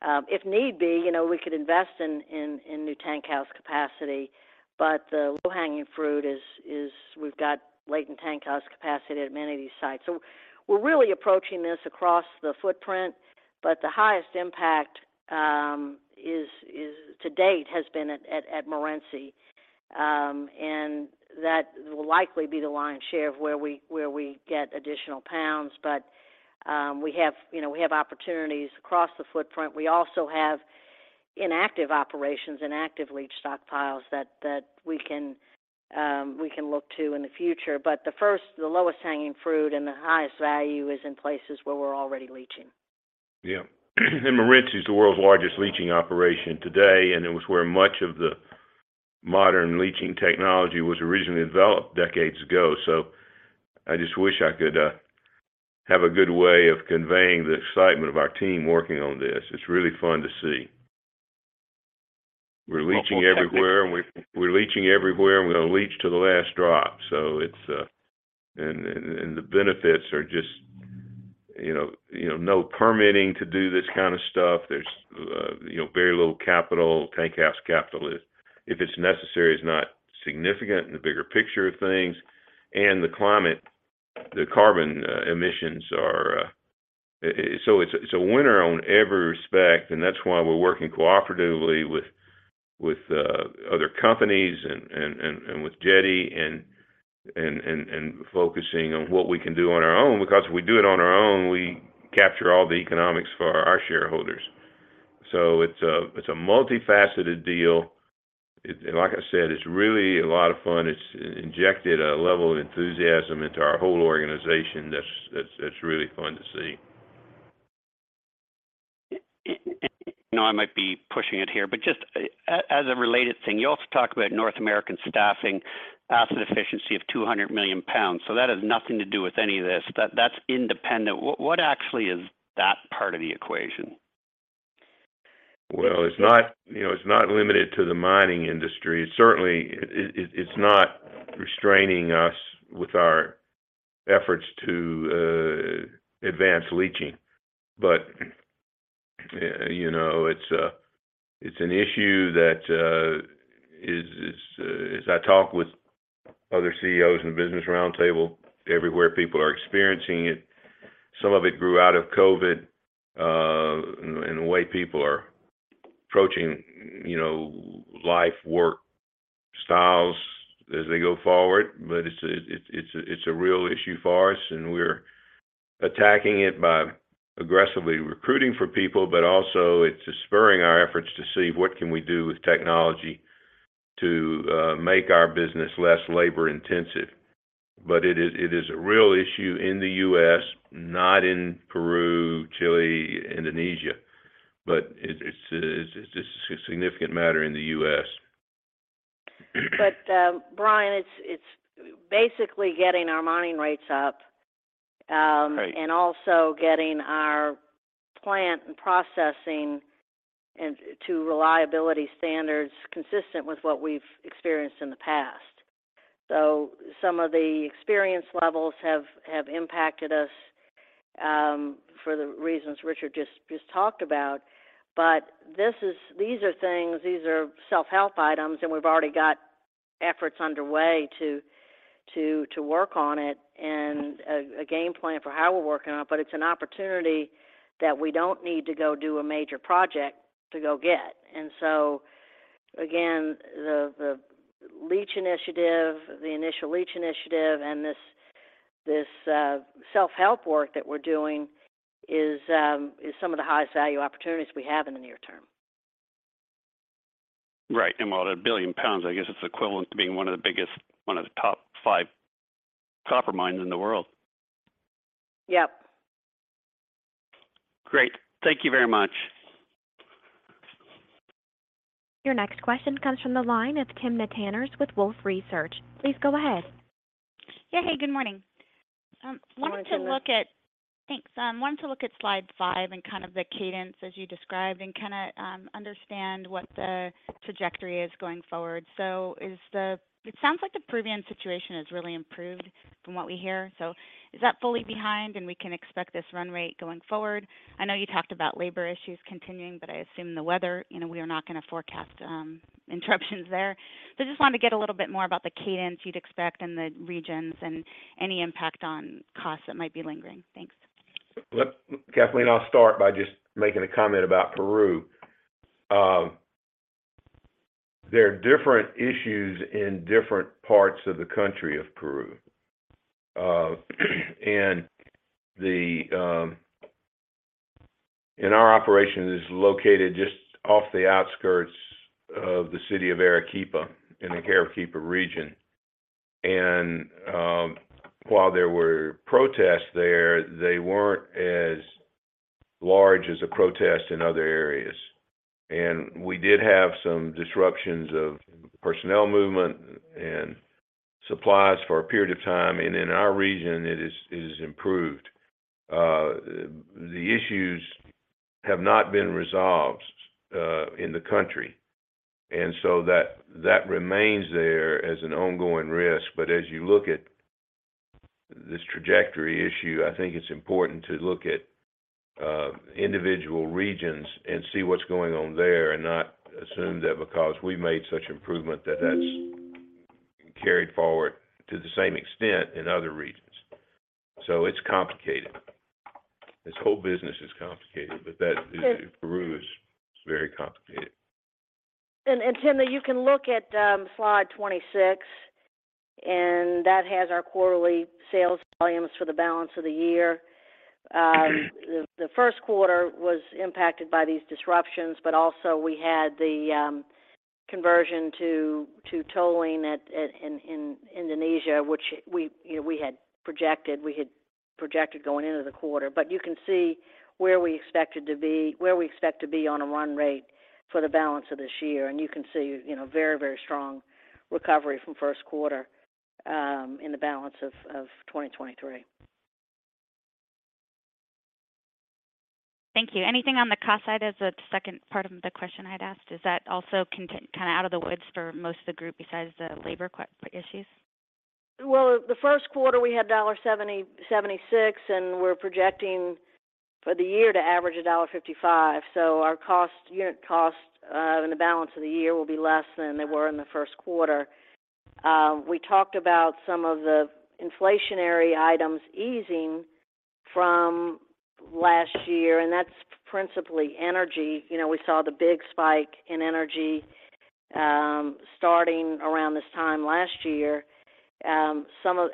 If need be, you know, we could invest in new tankhouse capacity, but the low-hanging fruit is we've got latent tankhouse capacity at many of these sites. We're really approaching this across the footprint, but the highest impact, is to date has been at Morenci. That will likely be the lion's share of where we, where we get additional pounds. We have, you know, we have opportunities across the footprint. We also have inactive operations and active leach stockpiles that we can look to in the future. The first, the lowest hanging fruit and the highest value is in places where we're already leaching. Yeah. Morenci is the world's largest leaching operation today, and it was where much of the modern leaching technology was originally developed decades ago. I just wish I could have a good way of conveying the excitement of our team working on this. It's really fun to see. We're leaching everywhere, and we're leaching everywhere, and we're gonna leach to the last drop. The benefits are just, you know, you know, no permitting to do this kind of stuff. There's, you know, very little capital. Tankhouse capital is, if it's necessary, is not significant in the bigger picture of things. The climate, the carbon, emissions are... It's a, it's a winner on every respect, and that's why we're working cooperatively with other companies and with Jetti and focusing on what we can do on our own. Because if we do it on our own, we capture all the economics for our shareholders. It's a, it's a multifaceted deal. Like I said, it's really a lot of fun. It's injected a level of enthusiasm into our whole organization that's really fun to see. I know I might be pushing it here, just as a related thing, you also talk about North American staffing asset efficiency of 200 million pounds. That has nothing to do with any of this. That's independent. What actually is that part of the equation? Well, it's not, you know, it's not limited to the mining industry. Certainly, it, it's not restraining us with our efforts to advance leaching. you know, it's an issue that is, as I talk with other CEOs in the Business Roundtable, everywhere people are experiencing it. Some of it grew out of COVID, and the way people are approaching, you know, life, work styles as they go forward. it's, it's, it's a real issue for us, and we're attacking it by aggressively recruiting for people, but also it's spurring our efforts to see what can we do with technology to make our business less labor-intensive. it is, it is a real issue in the U.S., not in Peru, Chile, Indonesia, but it's a, it's a significant matter in the U.S. Brian, it's basically getting our mining rates up. Right.... and also getting our plant and processing to reliability standards consistent with what we've experienced in the past. Some of the experience levels have impacted us for the reasons Richard just talked about. These are things, these are self-help items, and we've already got efforts underway to work on it and a game plan for how we're working on it. It's an opportunity that we don't need to go do a major project to go get. Again, the leach initiative, the initial leach initiative and this self-help work that we're doing is some of the highest value opportunities we have in the near term. Right. While the 1 billion pounds, I guess it's equivalent to being one of the biggest, one of the top five copper mines in the world. Yep. Great. Thank you very much. Your next question comes from the line of Timna Tanners with Wolfe Research. Please go ahead. Yeah. Hey, good morning. Good morning, Timna. wanted to look at. Thanks. wanted to look at slide five and kind of the cadence as you described and kinda understand what the trajectory is going forward. It sounds like the Peruvian situation has really improved from what we hear. Is that fully behind and we can expect this run rate going forward? I know you talked about labor issues continuing, but I assume the weather, you know, we are not gonna forecast interruptions there. Just wanted to get a little bit more about the cadence you'd expect in the regions and any impact on costs that might be lingering. Thanks. Look, Kathleen, I'll start by just making a comment about Peru. There are different issues in different parts of the country of Peru. Our operation is located just off the outskirts of the city of Arequipa in the Arequipa region. While there were protests there, they weren't as large as the protests in other areas. We did have some disruptions of personnel movement and supplies for a period of time, and in our region it is improved. The issues have not been resolved in the country, that remains there as an ongoing risk. As you look at this trajectory issue, I think it's important to look at individual regions and see what's going on there and not assume that because we made such improvement, that that's carried forward to the same extent in other regions. It's complicated. This whole business is complicated. It- Peru is very complicated. Timna, you can look at, slide 26, and that has our quarterly sales volumes for the balance of the year. Mm-hmm. The first quarter was impacted by these disruptions. Also we had the conversion to tolling at in Indonesia, which we, you know, we had projected going into the quarter. You can see where we expect to be on a run rate for the balance of this year. You can see, you know, very, very strong recovery from first quarter in the balance of 2023. Thank you. Anything on the cost side as a second part of the question I'd asked? Is that also kind of out of the woods for most of the group besides the labor issues? The first quarter we had $1.76, and we're projecting for the year to average $1.55. Our cost, unit cost, in the balance of the year will be less than they were in the first quarter. We talked about some of the inflationary items easing from last year, and that's principally energy. You know, we saw the big spike in energy, starting around this time last year. Some of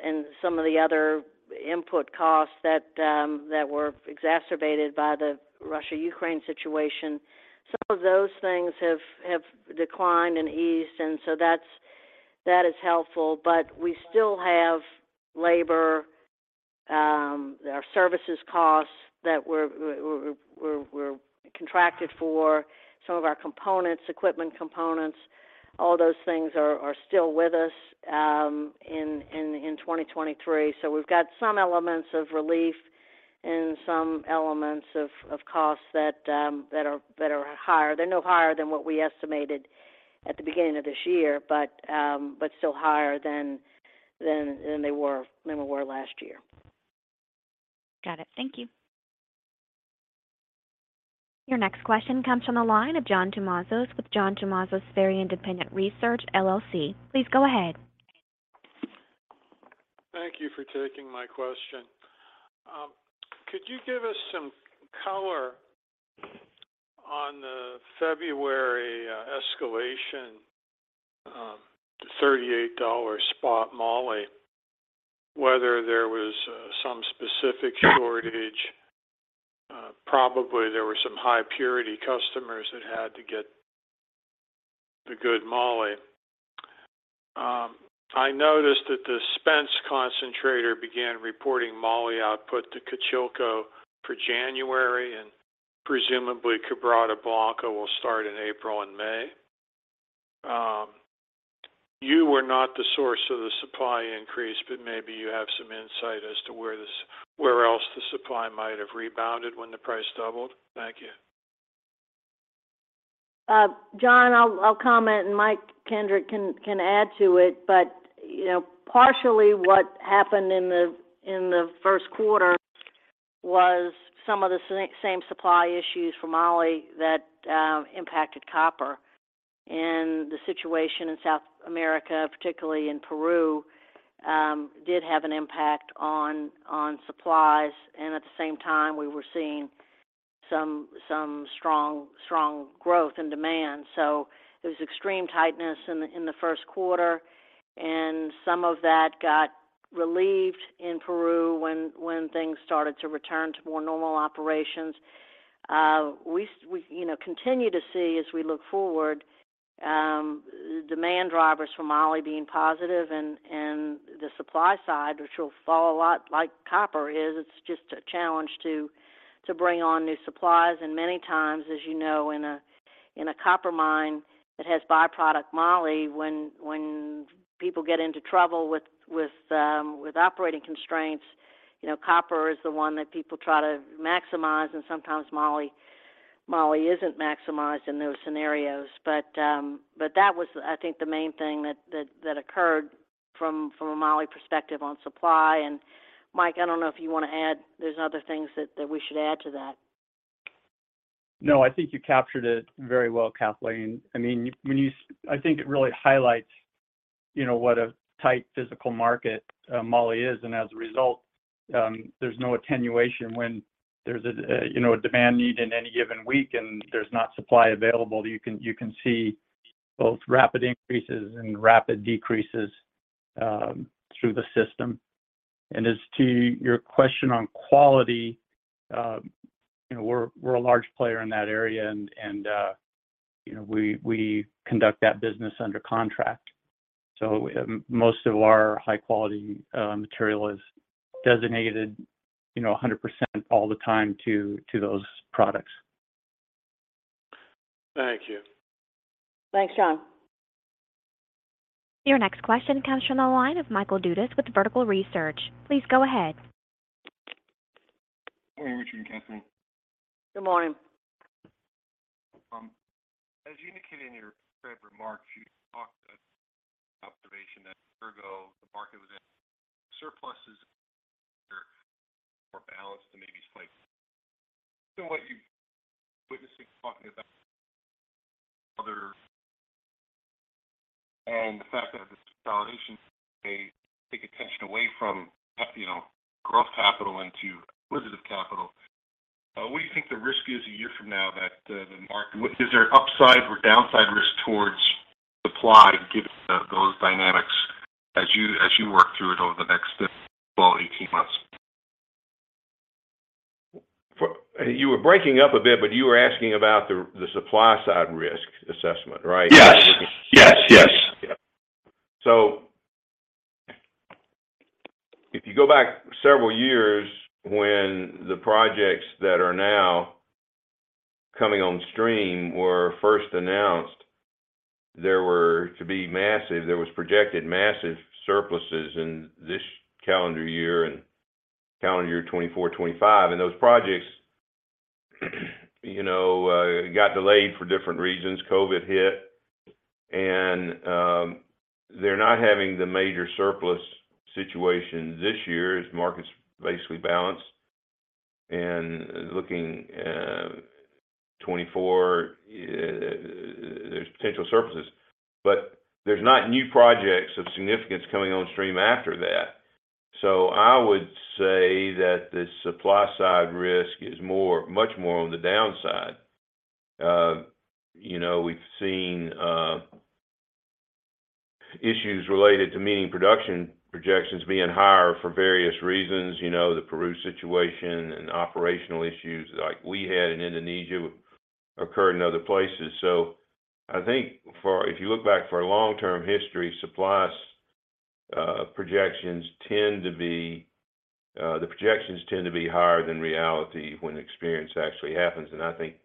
the other input costs that were exacerbated by the Russia-Ukraine situation. Some of those things have declined and eased, that's, that is helpful. We still have labor, our services costs that we're contracted for, some of our components, equipment components, all those things are still with us in 2023. We've got some elements of relief and some elements of costs that are higher. They're no higher than what we estimated at the beginning of this year, still higher than they were last year. Got it. Thank you. Your next question comes from the line of John Tumazos with John Tumazos Very Independent Research, LLC. Please go ahead. Thank you for taking my question. Could you give us some color on the February escalation to $38 spot moly, whether there was some specific shortage? Probably there were some high purity customers that had to get the good moly. I noticed that the Spence concentrator began reporting moly output to Cochilco for January, and presumably Quebrada Blanca will start in April and May. You were not the source of the supply increase, but maybe you have some insight as to where else the supply might have rebounded when the price doubled. Thank you. John, I'll comment and Mike Kendrick can add to it. You know, partially what happened in the first quarter was some of the same supply issues for moly that impacted copper. The situation in South America, particularly in Peru, did have an impact on supplies. At the same time, we were seeing some strong growth and demand. There was extreme tightness in the first quarter, and some of that got relieved in Peru when things started to return to more normal operations. We, you know, continue to see as we look forward, demand drivers for moly being positive and the supply side, which will follow a lot like copper is, it's just a challenge to bring on new supplies. Many times, as you know, in a copper mine that has byproduct moly, when people get into trouble with operating constraints, you know, copper is the one that people try to maximize, and sometimes moly isn't maximized in those scenarios. That was, I think, the main thing that occurred from a moly perspective on supply. Mike, I don't know if you wanna add. There's other things that we should add to that. No, I think you captured it very well, Kathleen. I mean, when I think it really highlights You know what a tight physical market, Moly is, and as a result, there's no attenuation when there's a, you know, a demand need in any given week, and there's not supply available. You can see both rapid increases and rapid decreases through the system. As to your question on quality, you know, we're a large player in that area and, you know, we conduct that business under contract. Most of our high quality material is designated, you know, 100% all the time to those products. Thank you. Thanks, John. Your next question comes from the line of Michael Dudas with Vertical Research. Please go ahead. Good morning, Richard and Kathleen. Good morning. As you indicated in your prepared remarks, you talked observation that CRU, the market was in surpluses, more balanced than maybe it's like. What you witnessing talking about other? The fact that this consolidation may take attention away from you know, growth capital into positive capital. What do you think the risk is a year from now that the market is there upside or downside risk towards supply given those dynamics as you, as you work through it over the next 12, 18 months? You were breaking up a bit, but you were asking about the supply side risk assessment, right? Yes. Yes. If you go back several years when the projects that are now coming on stream were first announced, there was projected massive surpluses in this calendar year and calendar year 2024, 2025. Those projects, you know, got delayed for different reasons. COVID hit, and they're not having the major surplus situation this year as market's basically balanced. Looking, 2024, there's potential surpluses. There's not new projects of significance coming on stream after that. I would say that the supply side risk is more, much more on the downside. You know, we've seen issues related to meeting production projections being higher for various reasons. You know, the Peru situation and operational issues like we had in Indonesia occurred in other places. I think if you look back for a long-term history, supplies, projections tend to be, the projections tend to be higher than reality when experience actually happens. I think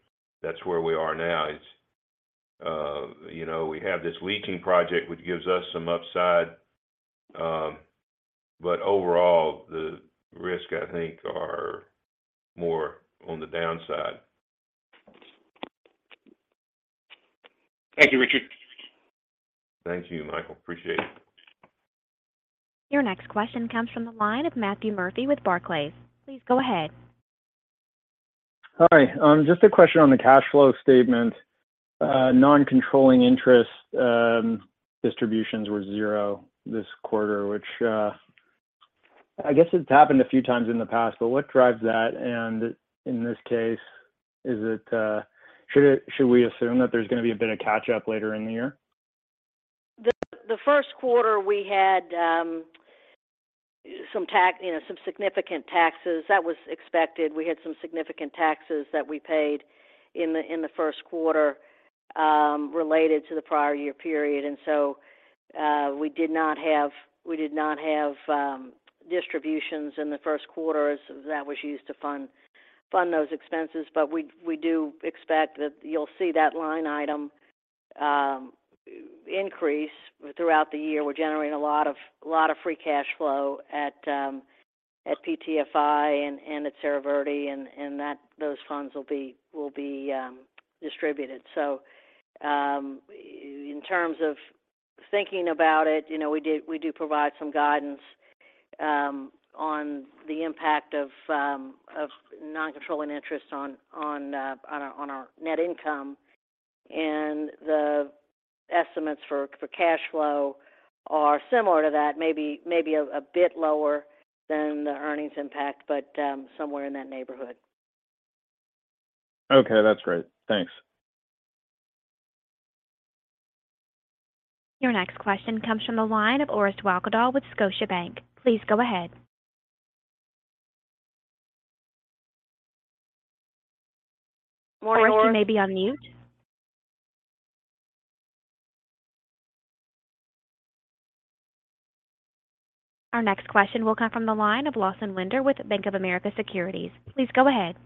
that's where we are now is, you know, we have this leaking project, which gives us some upside. Overall, the risk I think are more on the downside. Thank you, Richard. Thank you, Michael. Appreciate it. Your next question comes from the line of Matthew Murphy with Barclays. Please go ahead. Hi. Just a question on the cash flow statement. Non-controlling interest, distributions were zero this quarter, which, I guess it's happened a few times in the past, but what drives that? In this case, is it, should we assume that there's gonna be a bit of catch up later in the year? The first quarter, we had, you know, some significant taxes. That was expected. We had some significant taxes that we paid in the first quarter, related to the prior year period. We did not have distributions in the first quarter as that was used to fund those expenses. We do expect that you'll see that line item increase throughout the year. We're generating a lot of free cash flow at PT-FI and at Cerro Verde, and those funds will be distributed. In terms of thinking about it, you know, we do provide some guidance on the impact of non-controlling interest on our net income. The estimates for cash flow are similar to that, maybe a bit lower than the earnings impact, but somewhere in that neighborhood. Okay. That's great. Thanks. Your next question comes from the line of Orest Wowkodaw with Scotiabank. Please go ahead. Morning, Orest. Orest, you may be on mute. Our next question will come from the line of Lawson Winder with Bank of America Securities. Please go ahead.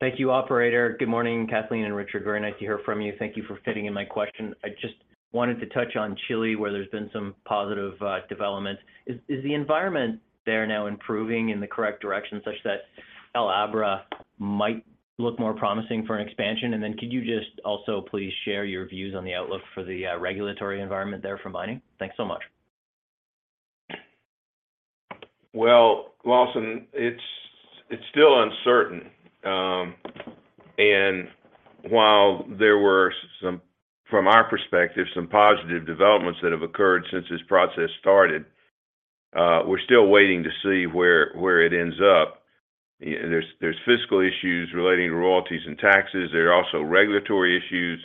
Thank you, operator. Good morning, Kathleen and Richard. Very nice to hear from you. Thank you for fitting in my question. I just wanted to touch on Chile, where there's been some positive developments. Is the environment there now improving in the correct direction such that El Abra might look more promising for an expansion? Could you just also please share your views on the outlook for the regulatory environment there for mining? Thanks so much. Well, Lawson, it's still uncertain. While there were some, from our perspective, some positive developments that have occurred since this process started, we're still waiting to see where it ends up. Yeah, there's fiscal issues relating to royalties and taxes. There are also regulatory issues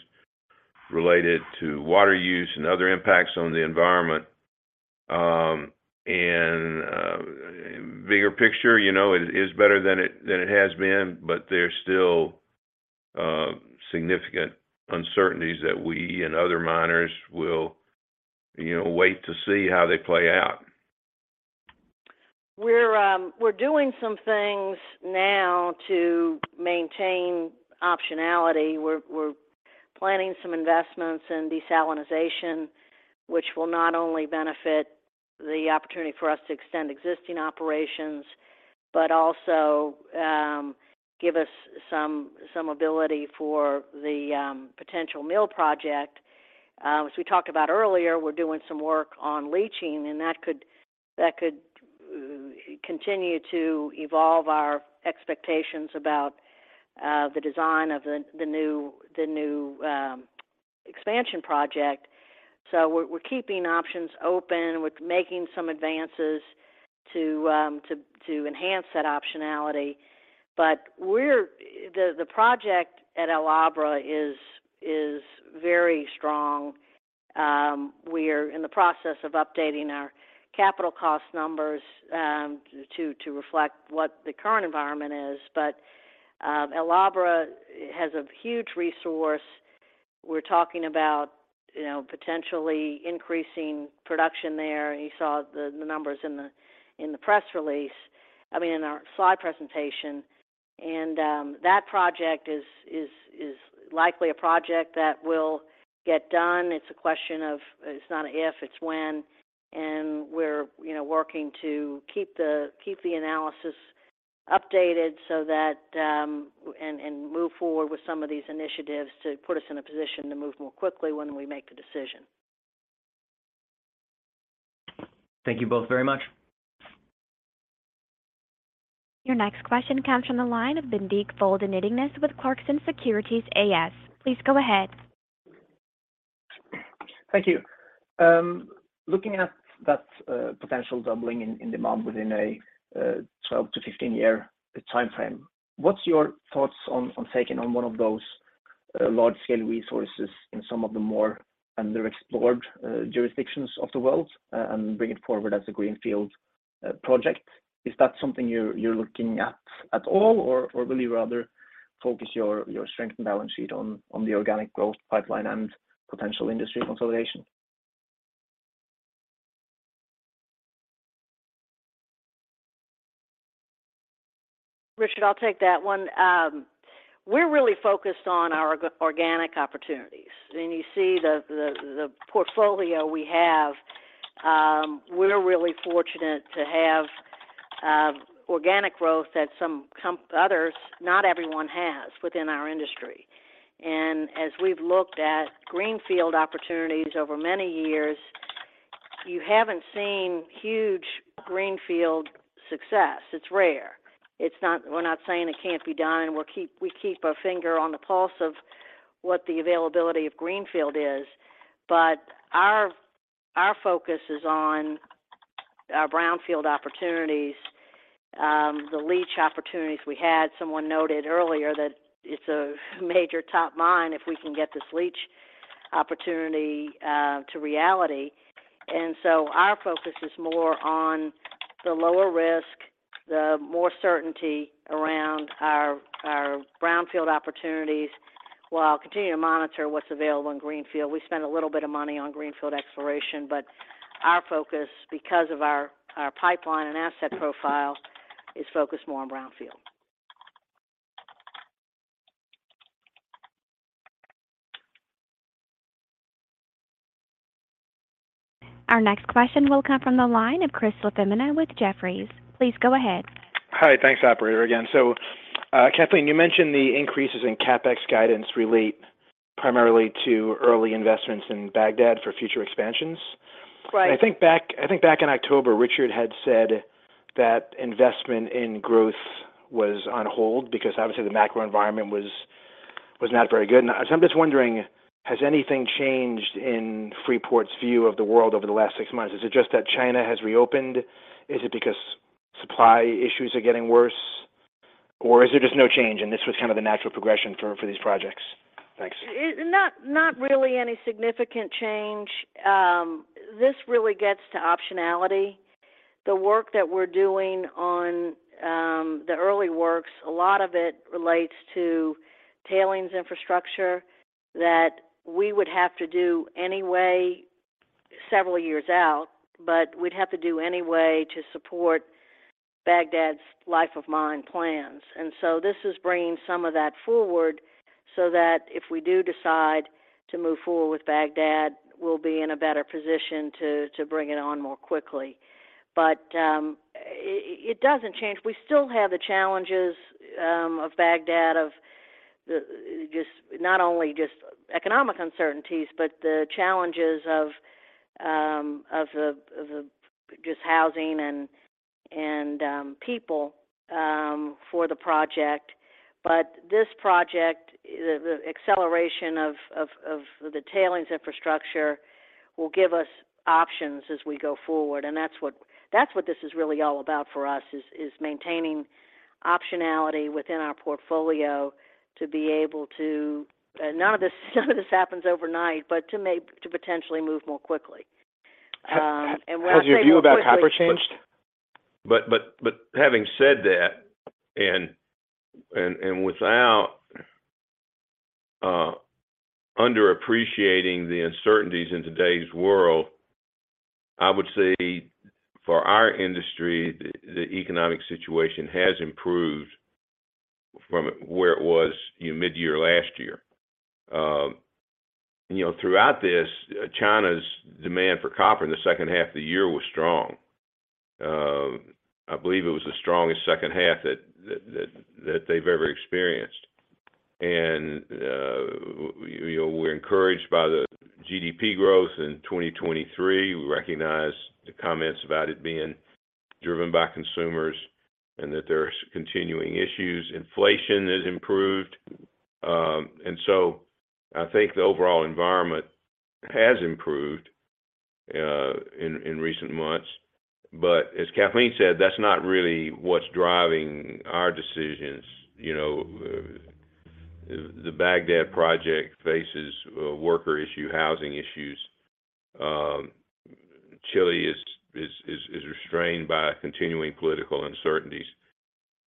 related to water use and other impacts on the environment. Bigger picture, you know, it is better than it has been, but there's still significant uncertainties that we and other miners will, you know, wait to see how they play out. We're doing some things now to maintain optionality. We're planning some investments in desalination, which will not only benefit the opportunity for us to extend existing operations, but also give us some ability for the potential mill project. As we talked about earlier, we're doing some work on leaching, and that could continue to evolve our expectations about the design of the new expansion project. We're keeping options open. We're making some advances to enhance that optionality. The project at El Abra is very strong. We're in the process of updating our capital cost numbers to reflect what the current environment is, but El Abra has a huge resource. We're talking about, you know, potentially increasing production there. You saw the numbers in the press release, I mean, in our slide presentation. That project is likely a project that will get done. It's a question of it's not if, it's when, and we're, you know, working to keep the analysis updated so that, and move forward with some of these initiatives to put us in a position to move more quickly when we make the decision. Thank you both very much. Your next question comes from the line of Bendik Folden Nyttingnes with Clarksons Securities AS. Please go ahead. Looking at that potential doubling in demand within a 12 to 15 year timeframe, what's your thoughts on taking on one of those large-scale resources in some of the more underexplored jurisdictions of the world and bring it forward as a greenfield project? Is that something you're looking at at all, or will you rather focus your strength and balance sheet on the organic growth pipeline and potential industry consolidation Richard, I'll take that one. We're really focused on our organic opportunities. When you see the portfolio we have, we're really fortunate to have organic growth that some others, not everyone has within our industry. As we've looked at greenfield opportunities over many years, you haven't seen huge greenfield success. It's rare. We're not saying it can't be done. We keep our finger on the pulse of what the availability of greenfield is, but our focus is on our brownfield opportunities, the leach opportunities we had. Someone noted earlier that it's a major top mine if we can get this leach opportunity to reality. Our focus is more on the lower risk, the more certainty around our brownfield opportunities while continuing to monitor what's available in greenfield. We spend a little bit of money on greenfield exploration, but our focus because of our pipeline and asset profile is focused more on brownfield. Our next question will come from the line of Chris LaFemina with Jefferies. Please go ahead. Hi. Thanks, operator. Again, Kathleen, you mentioned the increases in CapEx guidance relate primarily to early investments in Bagdad for future expansions. Right. I think back in October, Richard had said that investment in growth was on hold because obviously the macro environment was not very good. I'm just wondering, has anything changed in Freeport's view of the world over the last six months? Is it just that China has reopened? Is it because supply issues are getting worse, or is it just no change, and this was kind of the natural progression for these projects? Thanks. Not really any significant change. This really gets to optionality. The work that we're doing on the early works, a lot of it relates to tailings infrastructure that we would have to do anyway several years out, but we'd have to do anyway to support Bagdad's life of mine plans. This is bringing some of that forward so that if we do decide to move forward with Bagdad, we'll be in a better position to bring it on more quickly. It doesn't change. We still have the challenges of Bagdad just not only just economic uncertainties, but the challenges of the just housing and people for the project. This project, the acceleration of the tailings infrastructure will give us options as we go forward. That's what this is really all about for us is maintaining optionality within our portfolio to be able to. None of this happens overnight, but to potentially move more quickly. When I say move quickly. Has your view about copper changed? Having said that, and without underappreciating the uncertainties in today's world, I would say for our industry, the economic situation has improved from where it was, you know, midyear last year. You know, throughout this, China's demand for copper in the second half of the year was strong. I believe it was the strongest second half that they've ever experienced. You know, we're encouraged by the GDP growth in 2023. We recognize the comments about it being driven by consumers and that there's continuing issues. Inflation has improved. So I think the overall environment has improved in recent months. As Kathleen said, that's not really what's driving our decisions. You know, the Bagdad project faces worker issue, housing issues. Chile is restrained by continuing political uncertainties.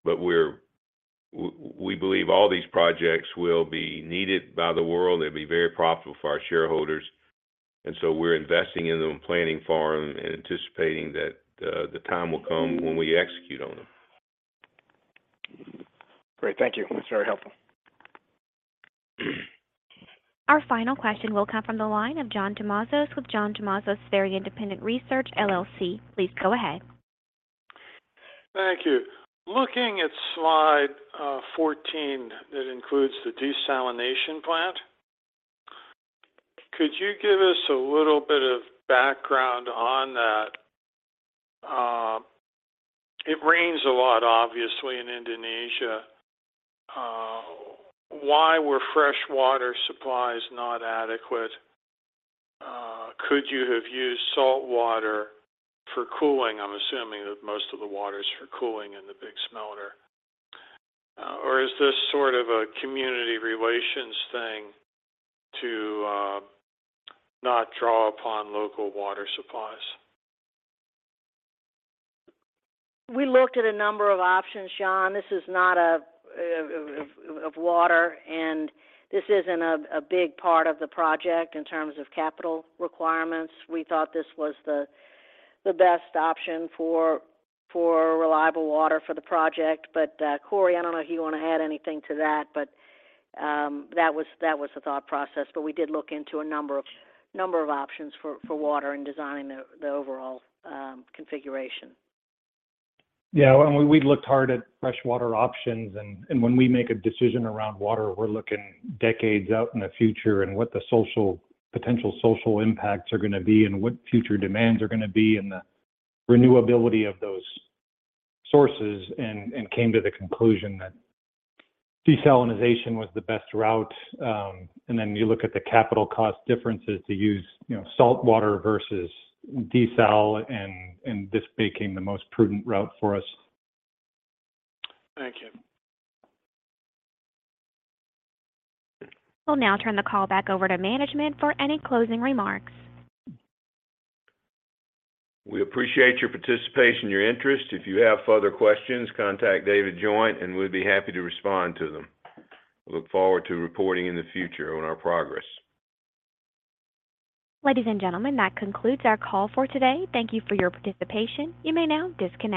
We believe all these projects will be needed by the world. They'll be very profitable for our shareholders, and so we're investing in them and planning for them and anticipating that the time will come when we execute on them. Great. Thank you. That's very helpful. Our final question will come from the line of John Tumazos with John Tumazos Very Independent Research, LLC. Please go ahead. Thank you. Looking at slide 14 that includes the desalination plant, could you give us a little bit of background on that? It rains a lot, obviously, in Indonesia. Why were fresh water supplies not adequate? Could you have used salt water for cooling? I'm assuming that most of the water's for cooling in the big smelter. Or is this sort of a community relations thing to not draw upon local water supplies? We looked at a number of options, John. This is not of water, and this isn't a big part of the project in terms of capital requirements. We thought this was the best option for reliable water for the project. But Cory, I don't know if you wanna add anything to that, but that was the thought process. But we did look into a number of options for water and design the overall configuration. Yeah. I mean, we looked hard at fresh water options. When we make a decision around water, we're looking decades out in the future and what the potential social impacts are gonna be and what future demands are gonna be and the renewability of those sources and came to the conclusion that desalination was the best route. Then you look at the capital cost differences to use, you know, salt water versus desal and this became the most prudent route for us. Thank you. We'll now turn the call back over to management for any closing remarks. We appreciate your participation and your interest. If you have further questions, contact David Joint, and we'd be happy to respond to them. We look forward to reporting in the future on our progress. Ladies and gentlemen, that concludes our call for today. Thank you for your participation. You may now disconnect.